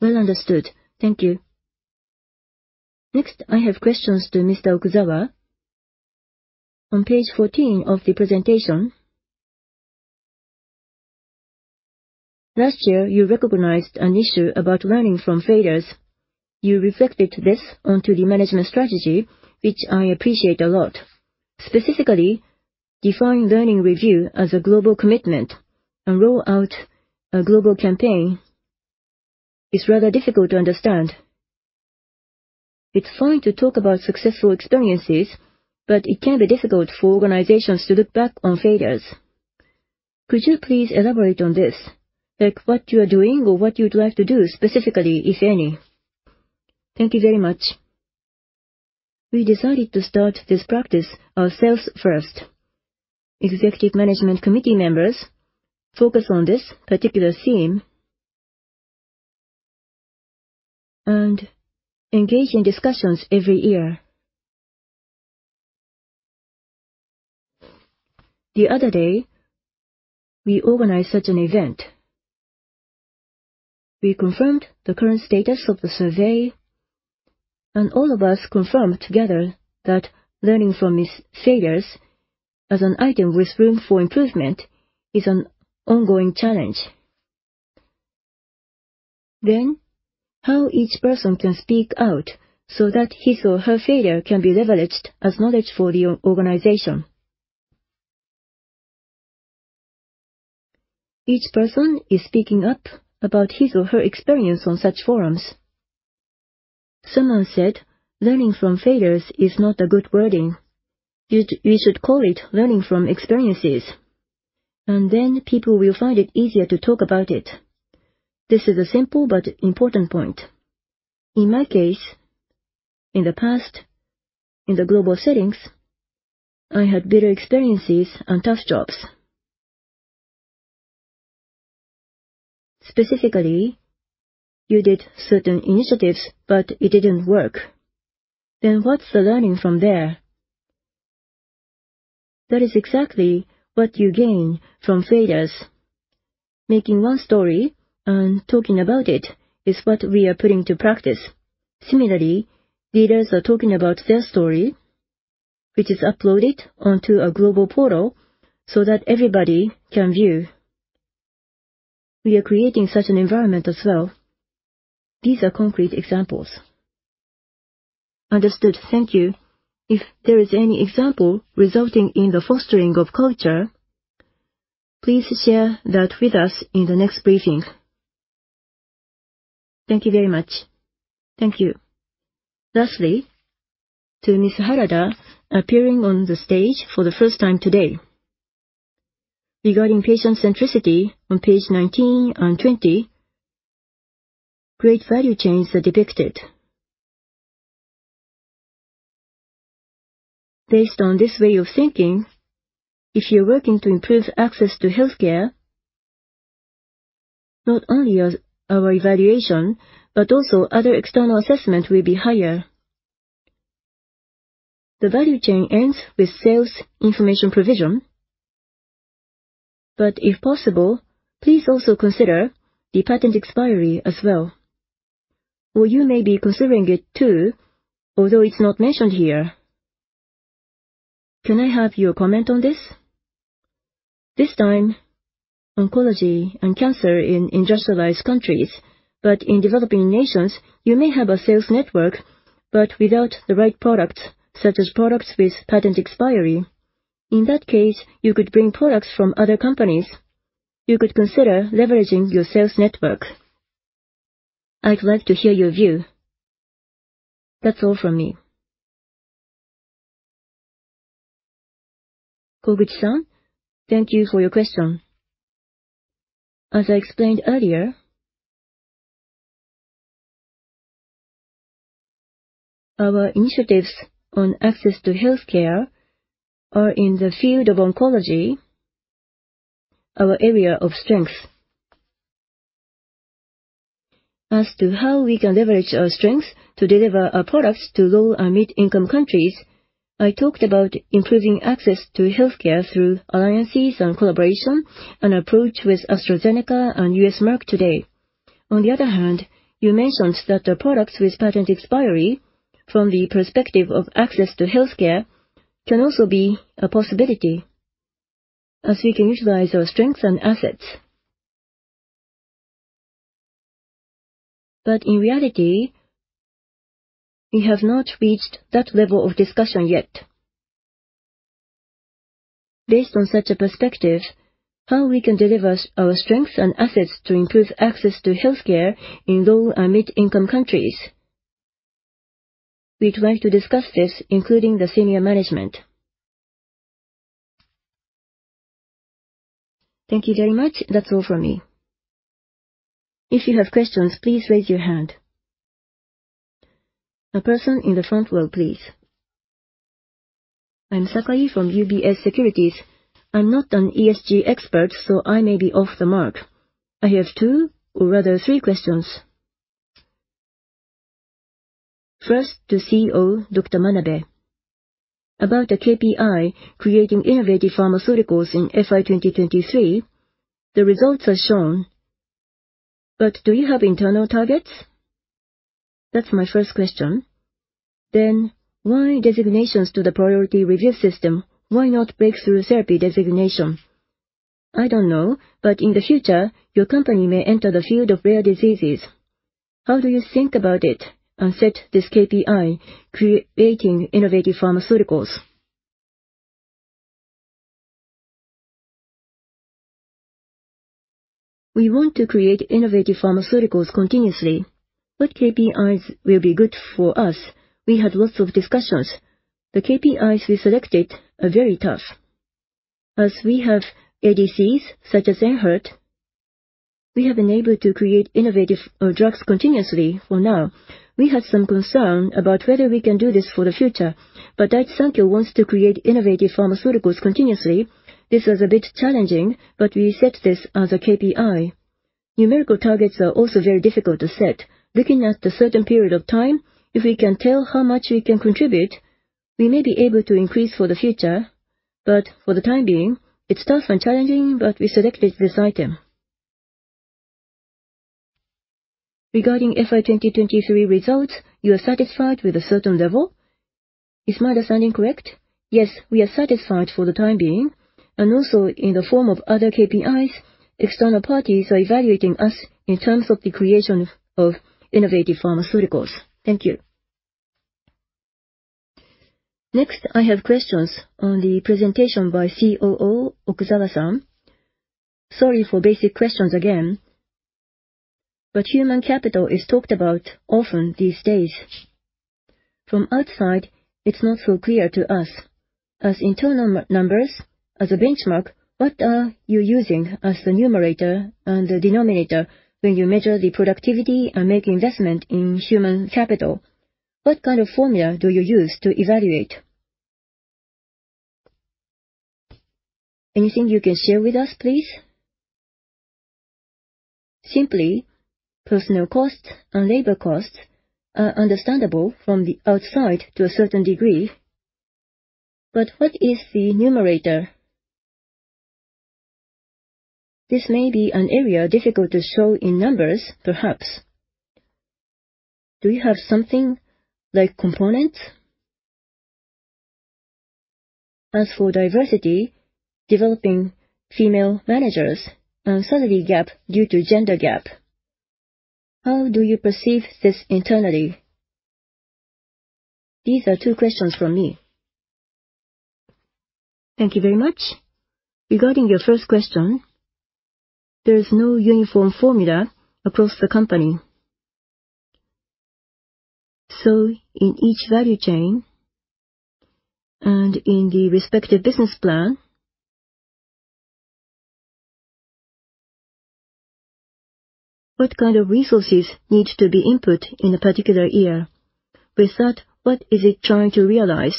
S6: Well understood. Thank you. Next, I have questions to Mr. Okuzawa. On page 14 of the presentation, last year, you recognized an issue about learning from failures. You reflected this onto the management strategy, which I appreciate a lot. Specifically, define learning review as a global commitment and roll out a global campaign is rather difficult to understand. It's fine to talk about successful experiences, but it can be difficult for organizations to look back on failures. Could you please elaborate on this, like what you are doing or what you'd like to do specifically, if any?
S2: Thank you very much. We decided to start this practice of self-first. Executive management committee members focus on this particular theme and engage in discussions every year. The other day, we organized such an event. We confirmed the current status of the survey, and all of us confirmed together that learning from failures as an item with room for improvement is an ongoing challenge. Then, how each person can speak out so that his or her failure can be leveraged as knowledge for the organization. Each person is speaking up about his or her experience on such forums. Someone said, "Learning from failures is not a good wording. We should call it learning from experiences," and then people will find it easier to talk about it. This is a simple but important point. In my case, in the past, in the global settings, I had better experiences and tough jobs. Specifically, you did certain initiatives, but it didn't work. Then what's the learning from there? That is exactly what you gain from failures. Making one story and talking about it is what we are putting to practice. Similarly, leaders are talking about their story, which is uploaded onto a global portal so that everybody can view. We are creating such an environment as well. These are concrete examples.
S6: Understood. Thank you. If there is any example resulting in the fostering of culture, please share that with us in the next briefing. Thank you very much.
S2: Thank you.
S6: Lastly, to Miss Harada appearing on the stage for the first time today. Regarding patient-centricity on page 19 and 20, great value chains are depicted. Based on this way of thinking, if you're working to improve access to healthcare, not only our evaluation but also other external assessment will be higher. The value chain ends with sales information provision, but if possible, please also consider the patent expiry as well. Or you may be considering it too, although it's not mentioned here. Can I have your comment on this? This time, oncology and cancer in industrialized countries, but in developing nations, you may have a sales network but without the right products such as products with patent expiry. In that case, you could bring products from other companies. You could consider leveraging your sales network. I'd like to hear your view. That's all from me.
S3: Koguchi-san, thank you for your question. As I explained earlier, our initiatives on access to healthcare are in the field of oncology, our area of strength. As to how we can leverage our strengths to deliver our products to low- and mid-income countries, I talked about improving access to healthcare through alliances and collaboration and approach with AstraZeneca and U.S. Merck today. On the other hand, you mentioned that the products with patent expiry, from the perspective of access to healthcare, can also be a possibility as we can utilize our strengths and assets. But in reality, we have not reached that level of discussion yet. Based on such a perspective, how we can deliver our strengths and assets to improve access to healthcare in low and mid-income countries. We'd like to discuss this, including the senior management.
S6: Thank you very much. That's all from me.
S5: If you have questions, please raise your hand. A person in the front row, please.
S7: I'm Sakai from UBS Securities. I'm not an ESG expert, so I may be off the mark. I have two or rather three questions. First, to CEO Dr. Manabe. About the KPI creating innovative pharmaceuticals in FY 2023, the results are shown, but do you have internal targets? That's my first question. Then, why designations to the priority review system? Why not breakthrough therapy designation? I don't know, but in the future, your company may enter the field of rare diseases. How do you think about it and set this KPI creating innovative pharmaceuticals?
S1: We want to create innovative pharmaceuticals continuously. What KPIs will be good for us? We had lots of discussions. The KPIs we selected are very tough. As we have ADCs such as ENHERTU, we have been able to create innovative drugs continuously for now. We had some concern about whether we can do this for the future, but Daiichi Sankyo wants to create innovative pharmaceuticals continuously. This was a bit challenging, but we set this as a KPI. Numerical targets are also very difficult to set. Looking at a certain period of time, if we can tell how much we can contribute, we may be able to increase for the future. But for the time being, it's tough and challenging, but we selected this item.
S7: Regarding FY 2023 results, you are satisfied with a certain level. Is my understanding correct?
S1: Yes, we are satisfied for the time being. And also, in the form of other KPIs, external parties are evaluating us in terms of the creation of innovative pharmaceuticals. Thank you.
S7: Next, I have questions on the presentation by COO Okuzawa-san. Sorry for basic questions again, but human capital is talked about often these days. From outside, it's not so clear to us. As internal numbers, as a benchmark, what are you using as the numerator and the denominator when you measure the productivity and make investment in human capital? What kind of formula do you use to evaluate? Anything you can share with us, please? Simply, personal costs and labor costs are understandable from the outside to a certain degree, but what is the numerator? This may be an area difficult to show in numbers, perhaps. Do you have something like components? As for diversity, developing female managers and salary gap due to gender gap, how do you perceive this internally? These are two questions from me.
S2: Thank you very much. Regarding your first question, there is no uniform formula across the company. So in each value chain and in the respective business plan, what kind of resources need to be input in a particular year? With that, what is it trying to realize?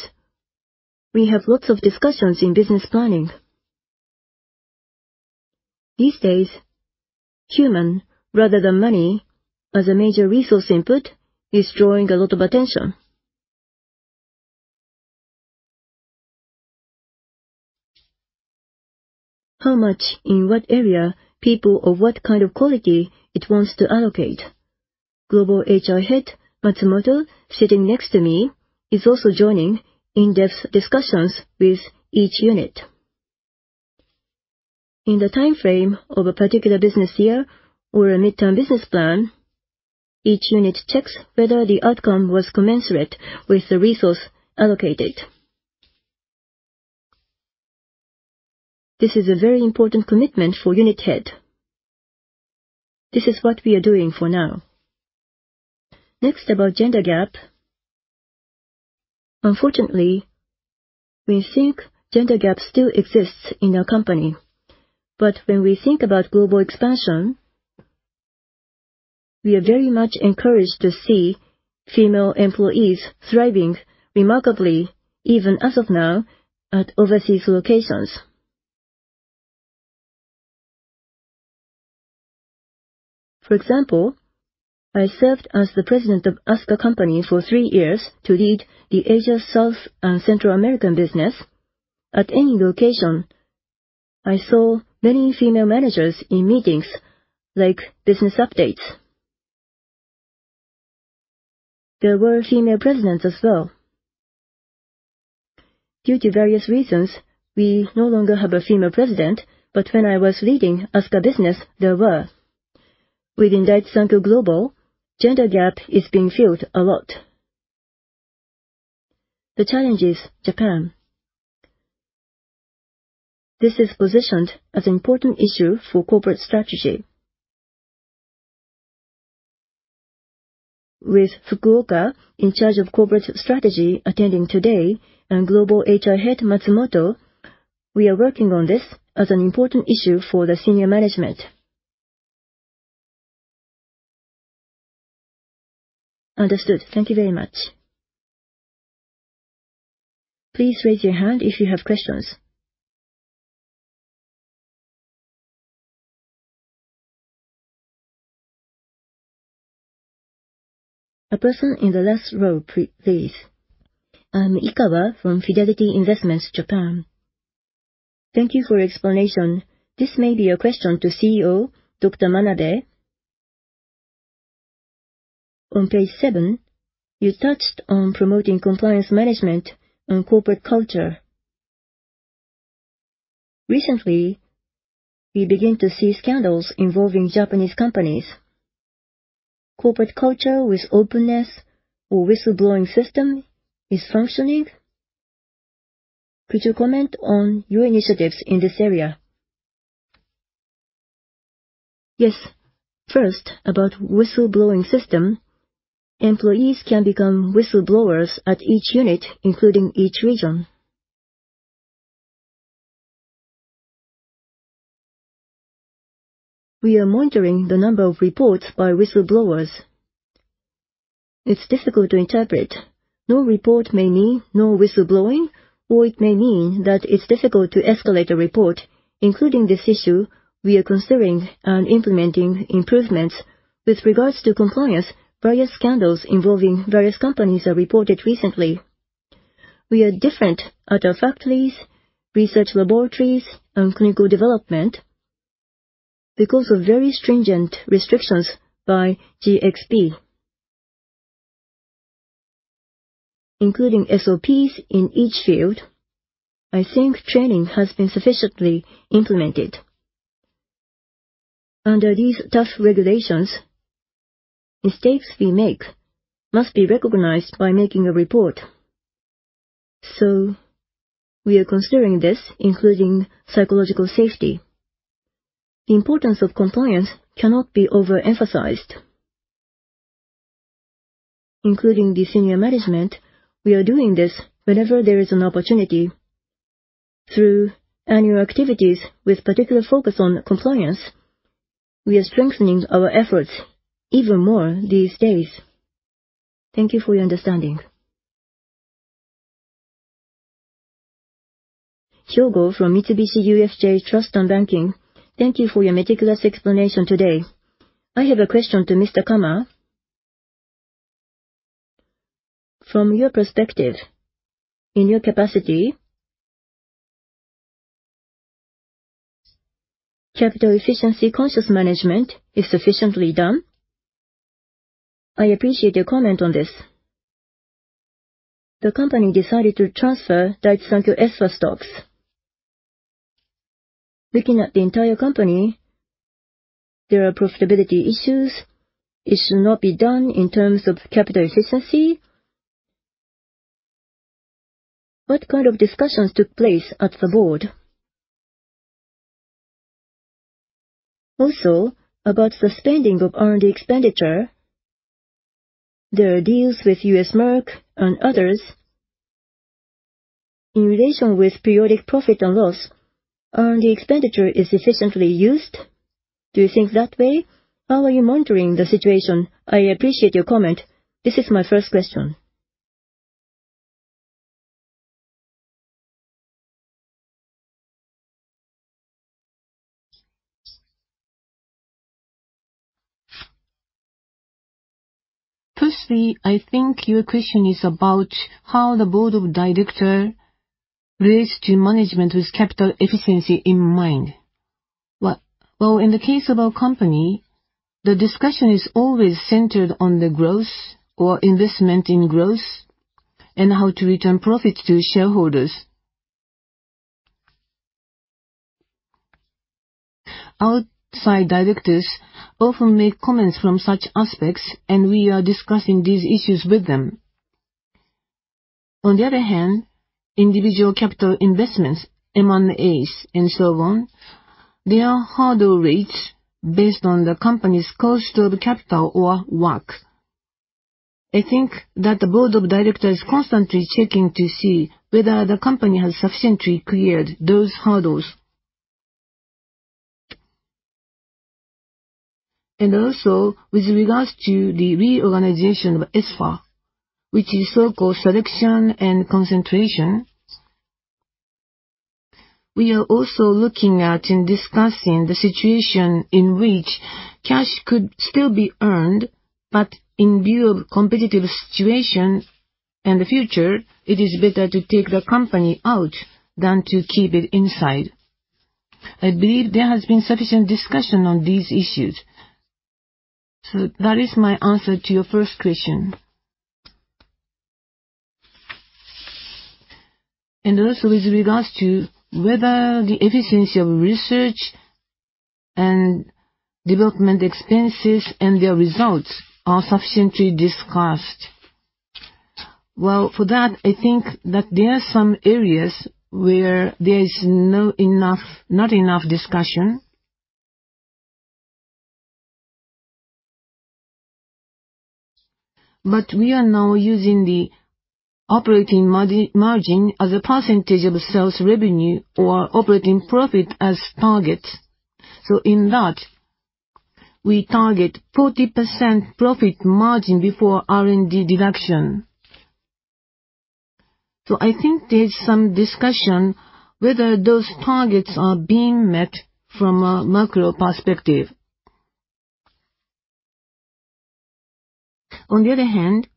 S2: We have lots of discussions in business planning. These days, human rather than money as a major resource input is drawing a lot of attention. How much in what area, people of what kind of quality it wants to allocate? Global HR Head Matsumoto, sitting next to me, is also joining in-depth discussions with each unit. In the timeframe of a particular business year or a midterm business plan, each unit checks whether the outcome was commensurate with the resource allocated. This is a very important commitment for unit head. This is what we are doing for now. Next, about gender gap. Unfortunately, we think gender gap still exists in our company, but when we think about global expansion, we are very much encouraged to see female employees thriving remarkably, even as of now, at overseas locations. For example, I served as the President of ASCA Company for three years to lead the Asia, South, and Central American business. At any location, I saw many female managers in meetings like business updates. There were female presidents as well. Due to various reasons, we no longer have a female president, but when I was leading ASCA Business, there were. Within Daiichi Sankyo Global, gender gap is being filled a lot. The challenge is Japan. This is positioned as an important issue for corporate strategy. With Fukuoka in charge of corporate strategy attending today and global HR head Matsumoto, we are working on this as an important issue for the senior management.
S7: Understood. Thank you very much.
S5: Please raise your hand if you have questions. A person in the last row, please.
S8: I'm Ikawa from Fidelity Investments, Japan. Thank you for your explanation. This may be a question to CEO Dr. Manabe. On page seven, you touched on promoting compliance management and corporate culture. Recently, we begin to see scandals involving Japanese companies. Corporate culture with openness or whistleblowing system is functioning? Could you comment on your initiatives in this area?
S1: Yes. First, about whistleblowing system. Employees can become whistleblowers at each unit, including each region. We are monitoring the number of reports by whistleblowers. It's difficult to interpret. No report may mean no whistleblowing, or it may mean that it's difficult to escalate a report. Including this issue, we are considering and implementing improvements with regards to compliance via scandals involving various companies that reported recently. We are different at our factories, research laboratories, and clinical development because of very stringent restrictions by GxP. Including SOPs in each field, I think training has been sufficiently implemented. Under these tough regulations, mistakes we make must be recognized by making a report. So we are considering this, including psychological safety. The importance of compliance cannot be overemphasized. Including the senior management, we are doing this whenever there is an opportunity. Through annual activities with particular focus on compliance, we are strengthening our efforts even more these days. Thank you for your understanding.
S9: Hyogo from Mitsubishi UFJ Trust and Banking. Thank you for your meticulous explanation today. I have a question to Mr. Kama. From your perspective, in your capacity, capital efficiency conscious management is sufficiently done? I appreciate your comment on this. The company decided to transfer Daiichi Sankyo Espha stocks. Looking at the entire company, there are profitability issues. It should not be done in terms of capital efficiency. What kind of discussions took place at the board? Also, about the spending of R&D expenditure, there are deals with U.S. Merck and others. In relation with periodic profit and loss, R&D expenditure is efficiently used. Do you think that way? How are you monitoring the situation? I appreciate your comment. This is my first question.
S4: Firstly, I think your question is about how the board of directors relates to management with capital efficiency in mind. Well, in the case of our company, the discussion is always centered on the growth or investment in growth and how to return profits to shareholders. Outside directors often make comments from such aspects, and we are discussing these issues with them. On the other hand, individual capital investments, M&As, and so on, they are hurdle rates based on the company's cost of capital or work. I think that the board of directors is constantly checking to see whether the company has sufficiently cleared those hurdles. And also, with regards to the reorganization of Espha, which is so-called selection and concentration, we are also looking at and discussing the situation in which cash could still be earned, but in view of competitive situation and the future, it is better to take the company out than to keep it inside. I believe there has been sufficient discussion on these issues. So that is my answer to your first question. And also, with regards to whether the efficiency of research and development expenses and their results are sufficiently discussed. Well, for that, I think that there are some areas where there is not enough discussion. But we are now using the operating margin as a percentage of sales revenue or operating profit as targets. So in that, we target 40% profit margin before R&D deduction. So I think there's some discussion whether those targets are being met from a macro perspective. On the other hand,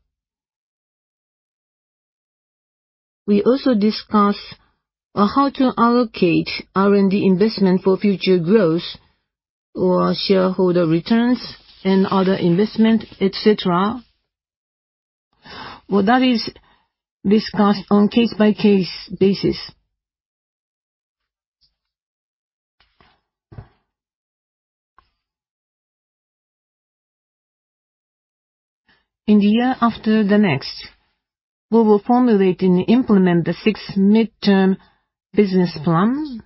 S4: we also discuss how to allocate R&D investment for future growth or shareholder returns and other investments, etc. Well, that is discussed on case-by-case basis. In the year after the next, we will formulate and implement the sixth midterm business plan.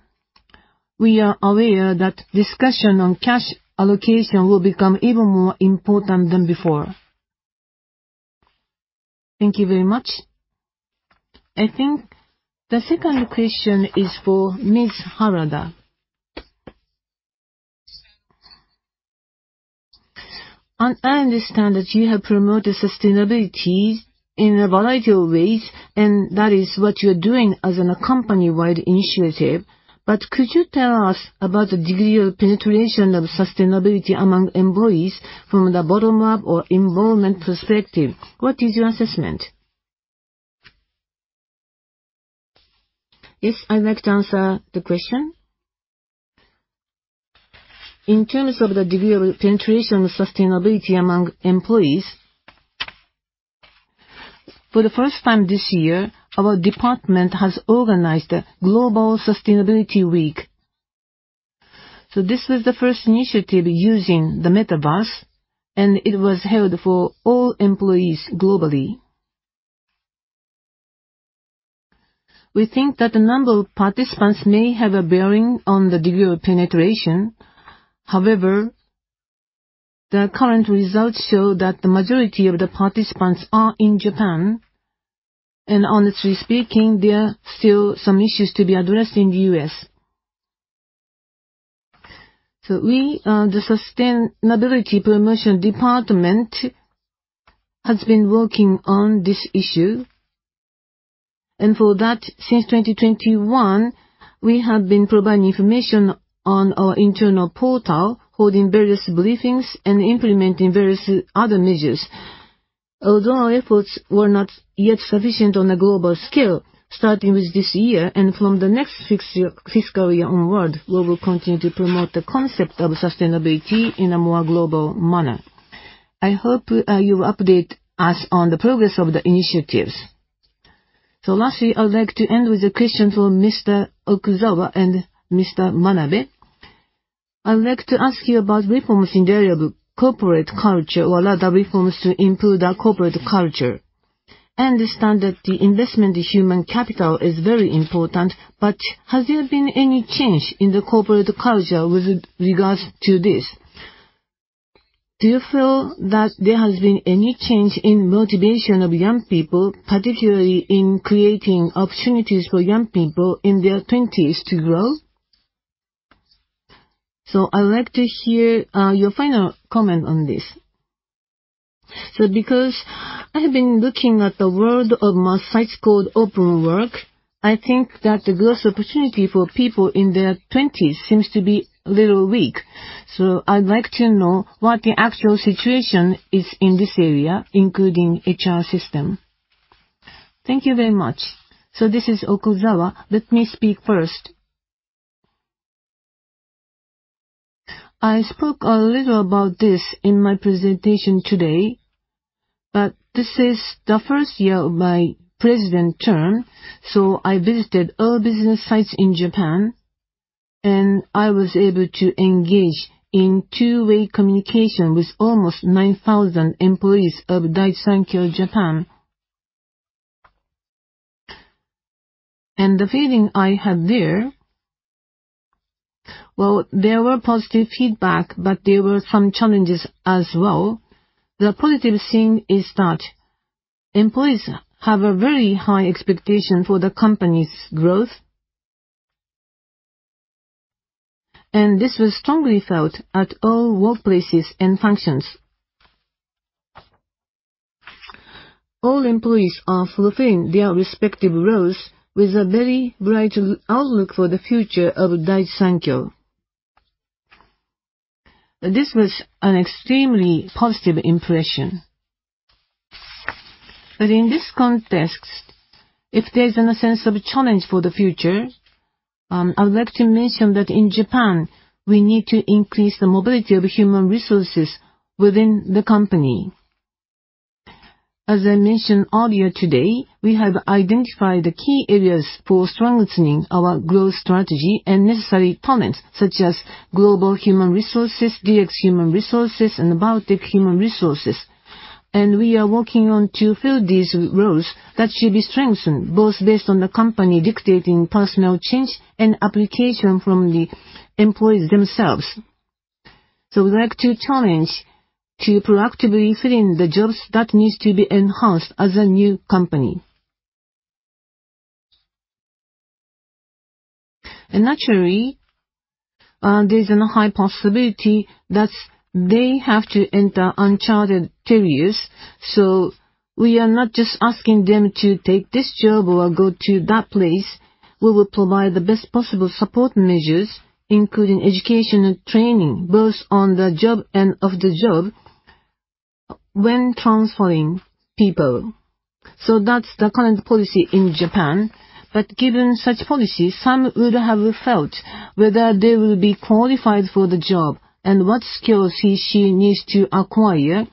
S4: We are aware that discussion on cash allocation will become even more important than before.
S9: Thank you very much. I think the second question is for Ms. Harada. And I understand that you have promoted sustainability in a variety of ways, and that is what you are doing as a company-wide initiative. But could you tell us about the degree of penetration of sustainability among employees from the bottom-up or enrollment perspective? What is your assessment?
S3: Yes, I'd like to answer the question. In terms of the degree of penetration of sustainability among employees, for the first time this year, our department has organized Global Sustainability Week. So this was the first initiative using the metaverse, and it was held for all employees globally. We think that a number of participants may have a bearing on the degree of penetration. However, the current results show that the majority of the participants are in Japan. Honestly speaking, there are still some issues to be addressed in the U.S. The Sustainability Promotion Department has been working on this issue. For that, since 2021, we have been providing information on our internal portal, holding various briefings, and implementing various other measures. Although our efforts were not yet sufficient on a global scale, starting with this year and from the next fiscal year onward, we will continue to promote the concept of sustainability in a more global manner.
S9: I hope you will update us on the progress of the initiatives. Lastly, I'd like to end with a question for Mr. Okuzawa and Mr. Manabe. I'd like to ask you about reforms in the area of corporate culture or other reforms to improve the corporate culture. I understand that the investment in human capital is very important, but has there been any change in the corporate culture with regards to this? Do you feel that there has been any change in motivation of young people, particularly in creating opportunities for young people in their 20s to grow? So I'd like to hear your final comment on this. So because I have been looking at the world of my sites called OpenWork, I think that the growth opportunity for people in their 20s seems to be a little weak. So I'd like to know what the actual situation is in this area, including HR system.
S2: Thank you very much. So this is Okuzawa. Let me speak first. I spoke a little about this in my presentation today, but this is the first year of my president term. So I visited all business sites in Japan, and I was able to engage in two-way communication with almost 9,000 employees of Daiichi Sankyo Japan. And the feeling I had there, well, there was positive feedback, but there were some challenges as well. The positive thing is that employees have a very high expectation for the company's growth. And this was strongly felt at all workplaces and functions. All employees are fulfilling their respective roles with a very bright outlook for the future of Daiichi Sankyo. This was an extremely positive impression. But in this context, if there's a sense of challenge for the future, I would like to mention that in Japan, we need to increase the mobility of human resources within the company. As I mentioned earlier today, we have identified the key areas for strengthening our growth strategy and necessary talents, such as global human resources, DX human resources, and Baltic human resources. We are working on to fill these roles that should be strengthened, both based on the company dictating personal change and application from the employees themselves. We'd like to challenge to proactively fill in the jobs that need to be enhanced as a new company. Naturally, there's a high possibility that they have to enter uncharted territories. We are not just asking them to take this job or go to that place. We will provide the best possible support measures, including education and training, both on the job and off the job, when transferring people. That's the current policy in Japan. But given such policy, some would have felt whether they will be qualified for the job and what skills he/she needs to acquire.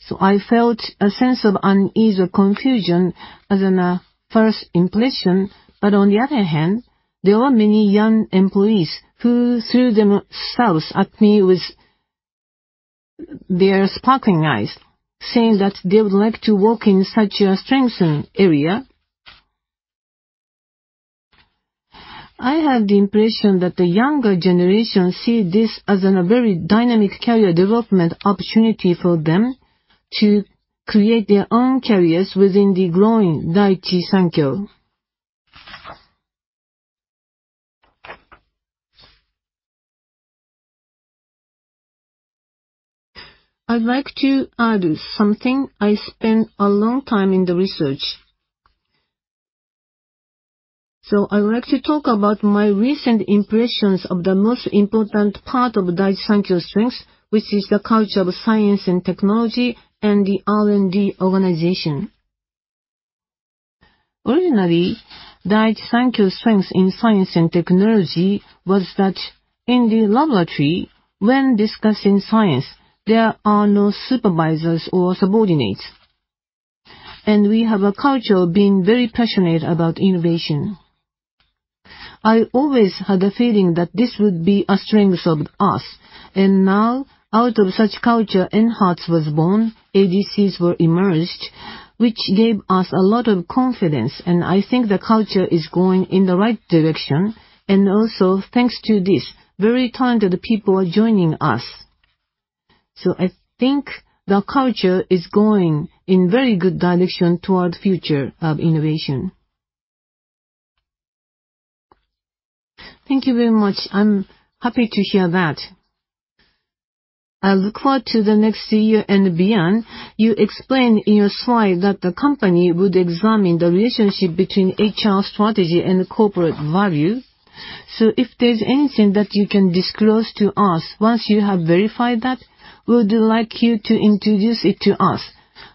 S2: So I felt a sense of unease or confusion as a first impression. But on the other hand, there were many young employees who threw themselves at me with their sparkling eyes, saying that they would like to work in such a strengthened area. I have the impression that the younger generation see this as a very dynamic career development opportunity for them to create their own careers within the growing Daiichi Sankyo.
S1: I'd like to add something. I spent a long time in the research. So I'd like to talk about my recent impressions of the most important part of Daiichi Sankyo's strengths, which is the culture of science and technology and the R&D organization. Originally, Daiichi Sankyo's strengths in science and technology were that in the laboratory, when discussing science, there are no supervisors or subordinates. We have a culture of being very passionate about innovation. I always had a feeling that this would be a strength of us. Now, out of such culture, ENHERTU was born. ADCs were emerged, which gave us a lot of confidence. I think the culture is going in the right direction. Also, thanks to this, very talented people are joining us. So I think the culture is going in a very good direction toward the future of innovation.
S9: Thank you very much. I'm happy to hear that. I look forward to the next year and beyond. You explained in your slide that the company would examine the relationship between HR strategy and corporate value. So if there's anything that you can disclose to us once you have verified that, we would like you to introduce it to us,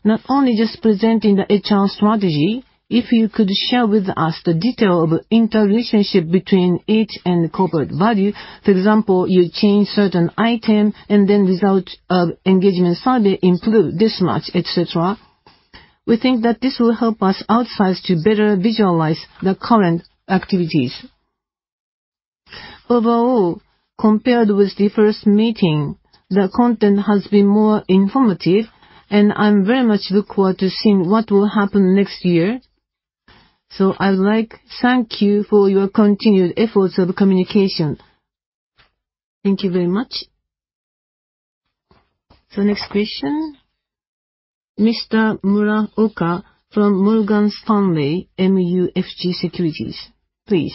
S9: not only just presenting the HR strategy. If you could share with us the detail of the interrelationship between each and the corporate value. For example, you change certain items, and then the result of engagement survey improved this much, etc. We think that this will help outsiders to better visualize the current activities. Overall, compared with the first meeting, the content has been more informative. I'm very much looking forward to seeing what will happen next year. So I would like to thank you for your continued efforts of communication. Thank you very much.
S5: So next question, Mr. Muraoka from Morgan Stanley MUFG Securities. Please.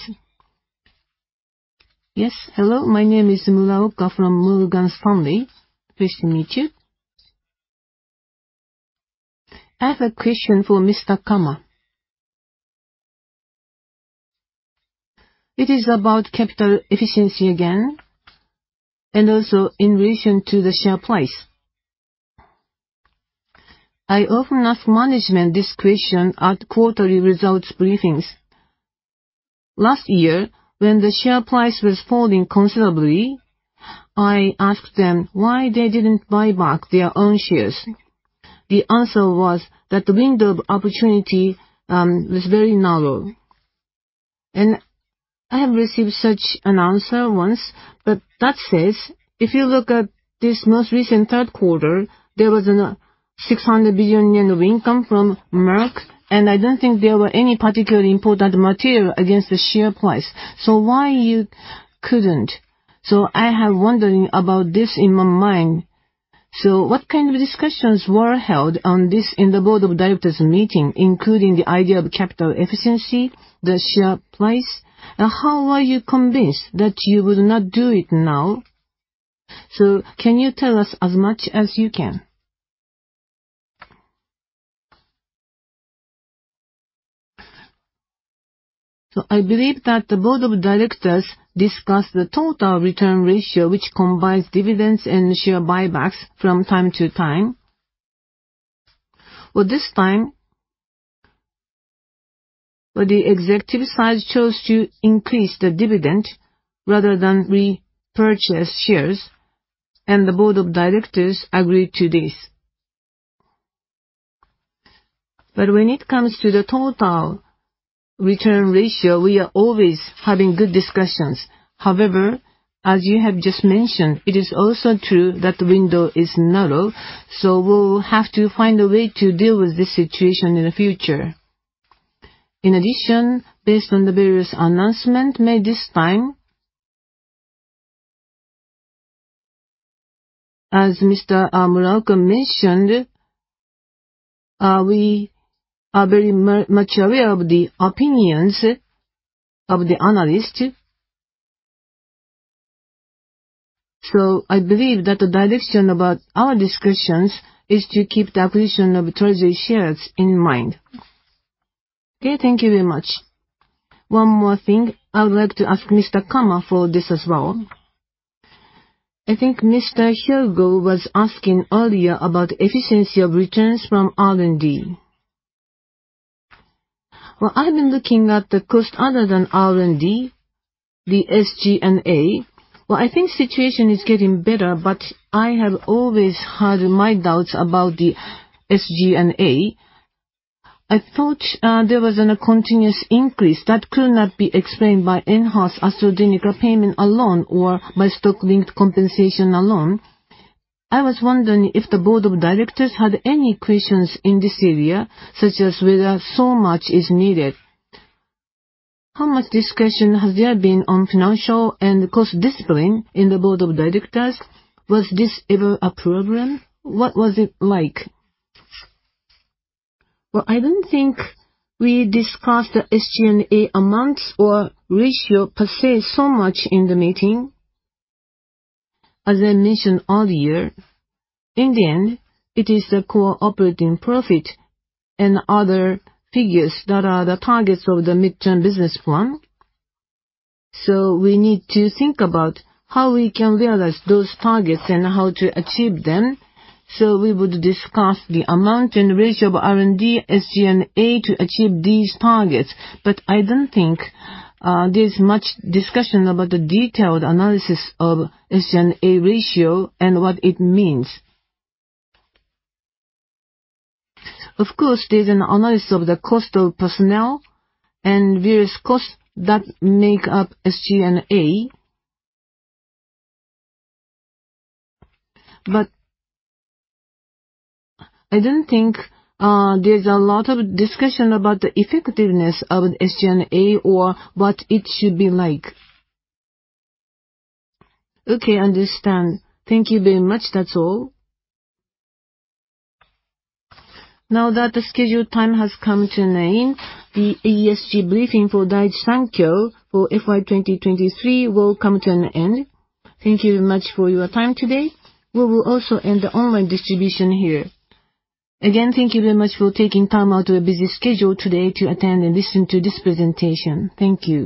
S10: Yes, hello. My name is Muraoka from Morgan Stanley. Pleased to meet you. I have a question for Mr. Kama. It is about capital efficiency again and also in relation to the share price. I often ask management this question at quarterly results briefings. Last year, when the share price was falling considerably, I asked them why they didn't buy back their own shares. The answer was that the window of opportunity was very narrow. I have received such an answer once. That says, if you look at this most recent third quarter, there was 600 billion yen of income from Merck. I don't think there were any particularly important materials against the share price. So why couldn't? I have wondered about this in my mind. What kind of discussions were held on this in the board of directors meeting, including the idea of capital efficiency, the share price? How were you convinced that you would not do it now? Can you tell us as much as you can?
S4: I believe that the board of directors discussed the total return ratio, which combines dividends and share buybacks from time to time. Well, this time, the executive side chose to increase the dividend rather than repurchase shares. The board of directors agreed to this. When it comes to the total return ratio, we are always having good discussions. However, as you have just mentioned, it is also true that the window is narrow. We'll have to find a way to deal with this situation in the future. In addition, based on the various announcements made this time, as Mr. Muraoka mentioned, we are very much aware of the opinions of the analysts. So I believe that the direction of our discussions is to keep the acquisition of Treasury shares in mind.
S10: Okay, thank you very much. One more thing. I would like to ask Mr. Kama for this as well. I think Mr. Hyogo was asking earlier about the efficiency of returns from R&D. Well, I've been looking at the cost other than R&D, the SG&A. Well, I think the situation is getting better, but I have always had my doubts about the SG&A. I thought there was a continuous increase that could not be explained by enhanced AstraZeneca payment alone or by stock-linked compensation alone. I was wondering if the board of directors had any questions in this area, such as whether so much is needed. How much discussion has there been on financial and cost discipline in the board of directors? Was this ever a program? What was it like?
S4: Well, I don't think we discussed the SG&A amounts or ratio per se so much in the meeting. As I mentioned earlier, in the end, it is the core operating profit and other figures that are the targets of the mid-term business plan. So we need to think about how we can realize those targets and how to achieve them. So we would discuss the amount and ratio of R&D, SG&A to achieve these targets. But I don't think there's much discussion about the detailed analysis of SG&A ratio and what it means. Of course, there's an analysis of the cost of personnel and various costs that make up SG&A. But I don't think there's a lot of discussion about the effectiveness of SG&A or what it should be like.
S10: Okay, I understand. Thank you very much. That's all.
S5: Now that the scheduled time has come to an end, the ESG briefing for Daiichi Sankyo for FY 2023 will come to an end. Thank you very much for your time today. We will also end the online distribution here. Again, thank you very much for taking time out of your busy schedule today to attend and listen to this presentation. Thank you.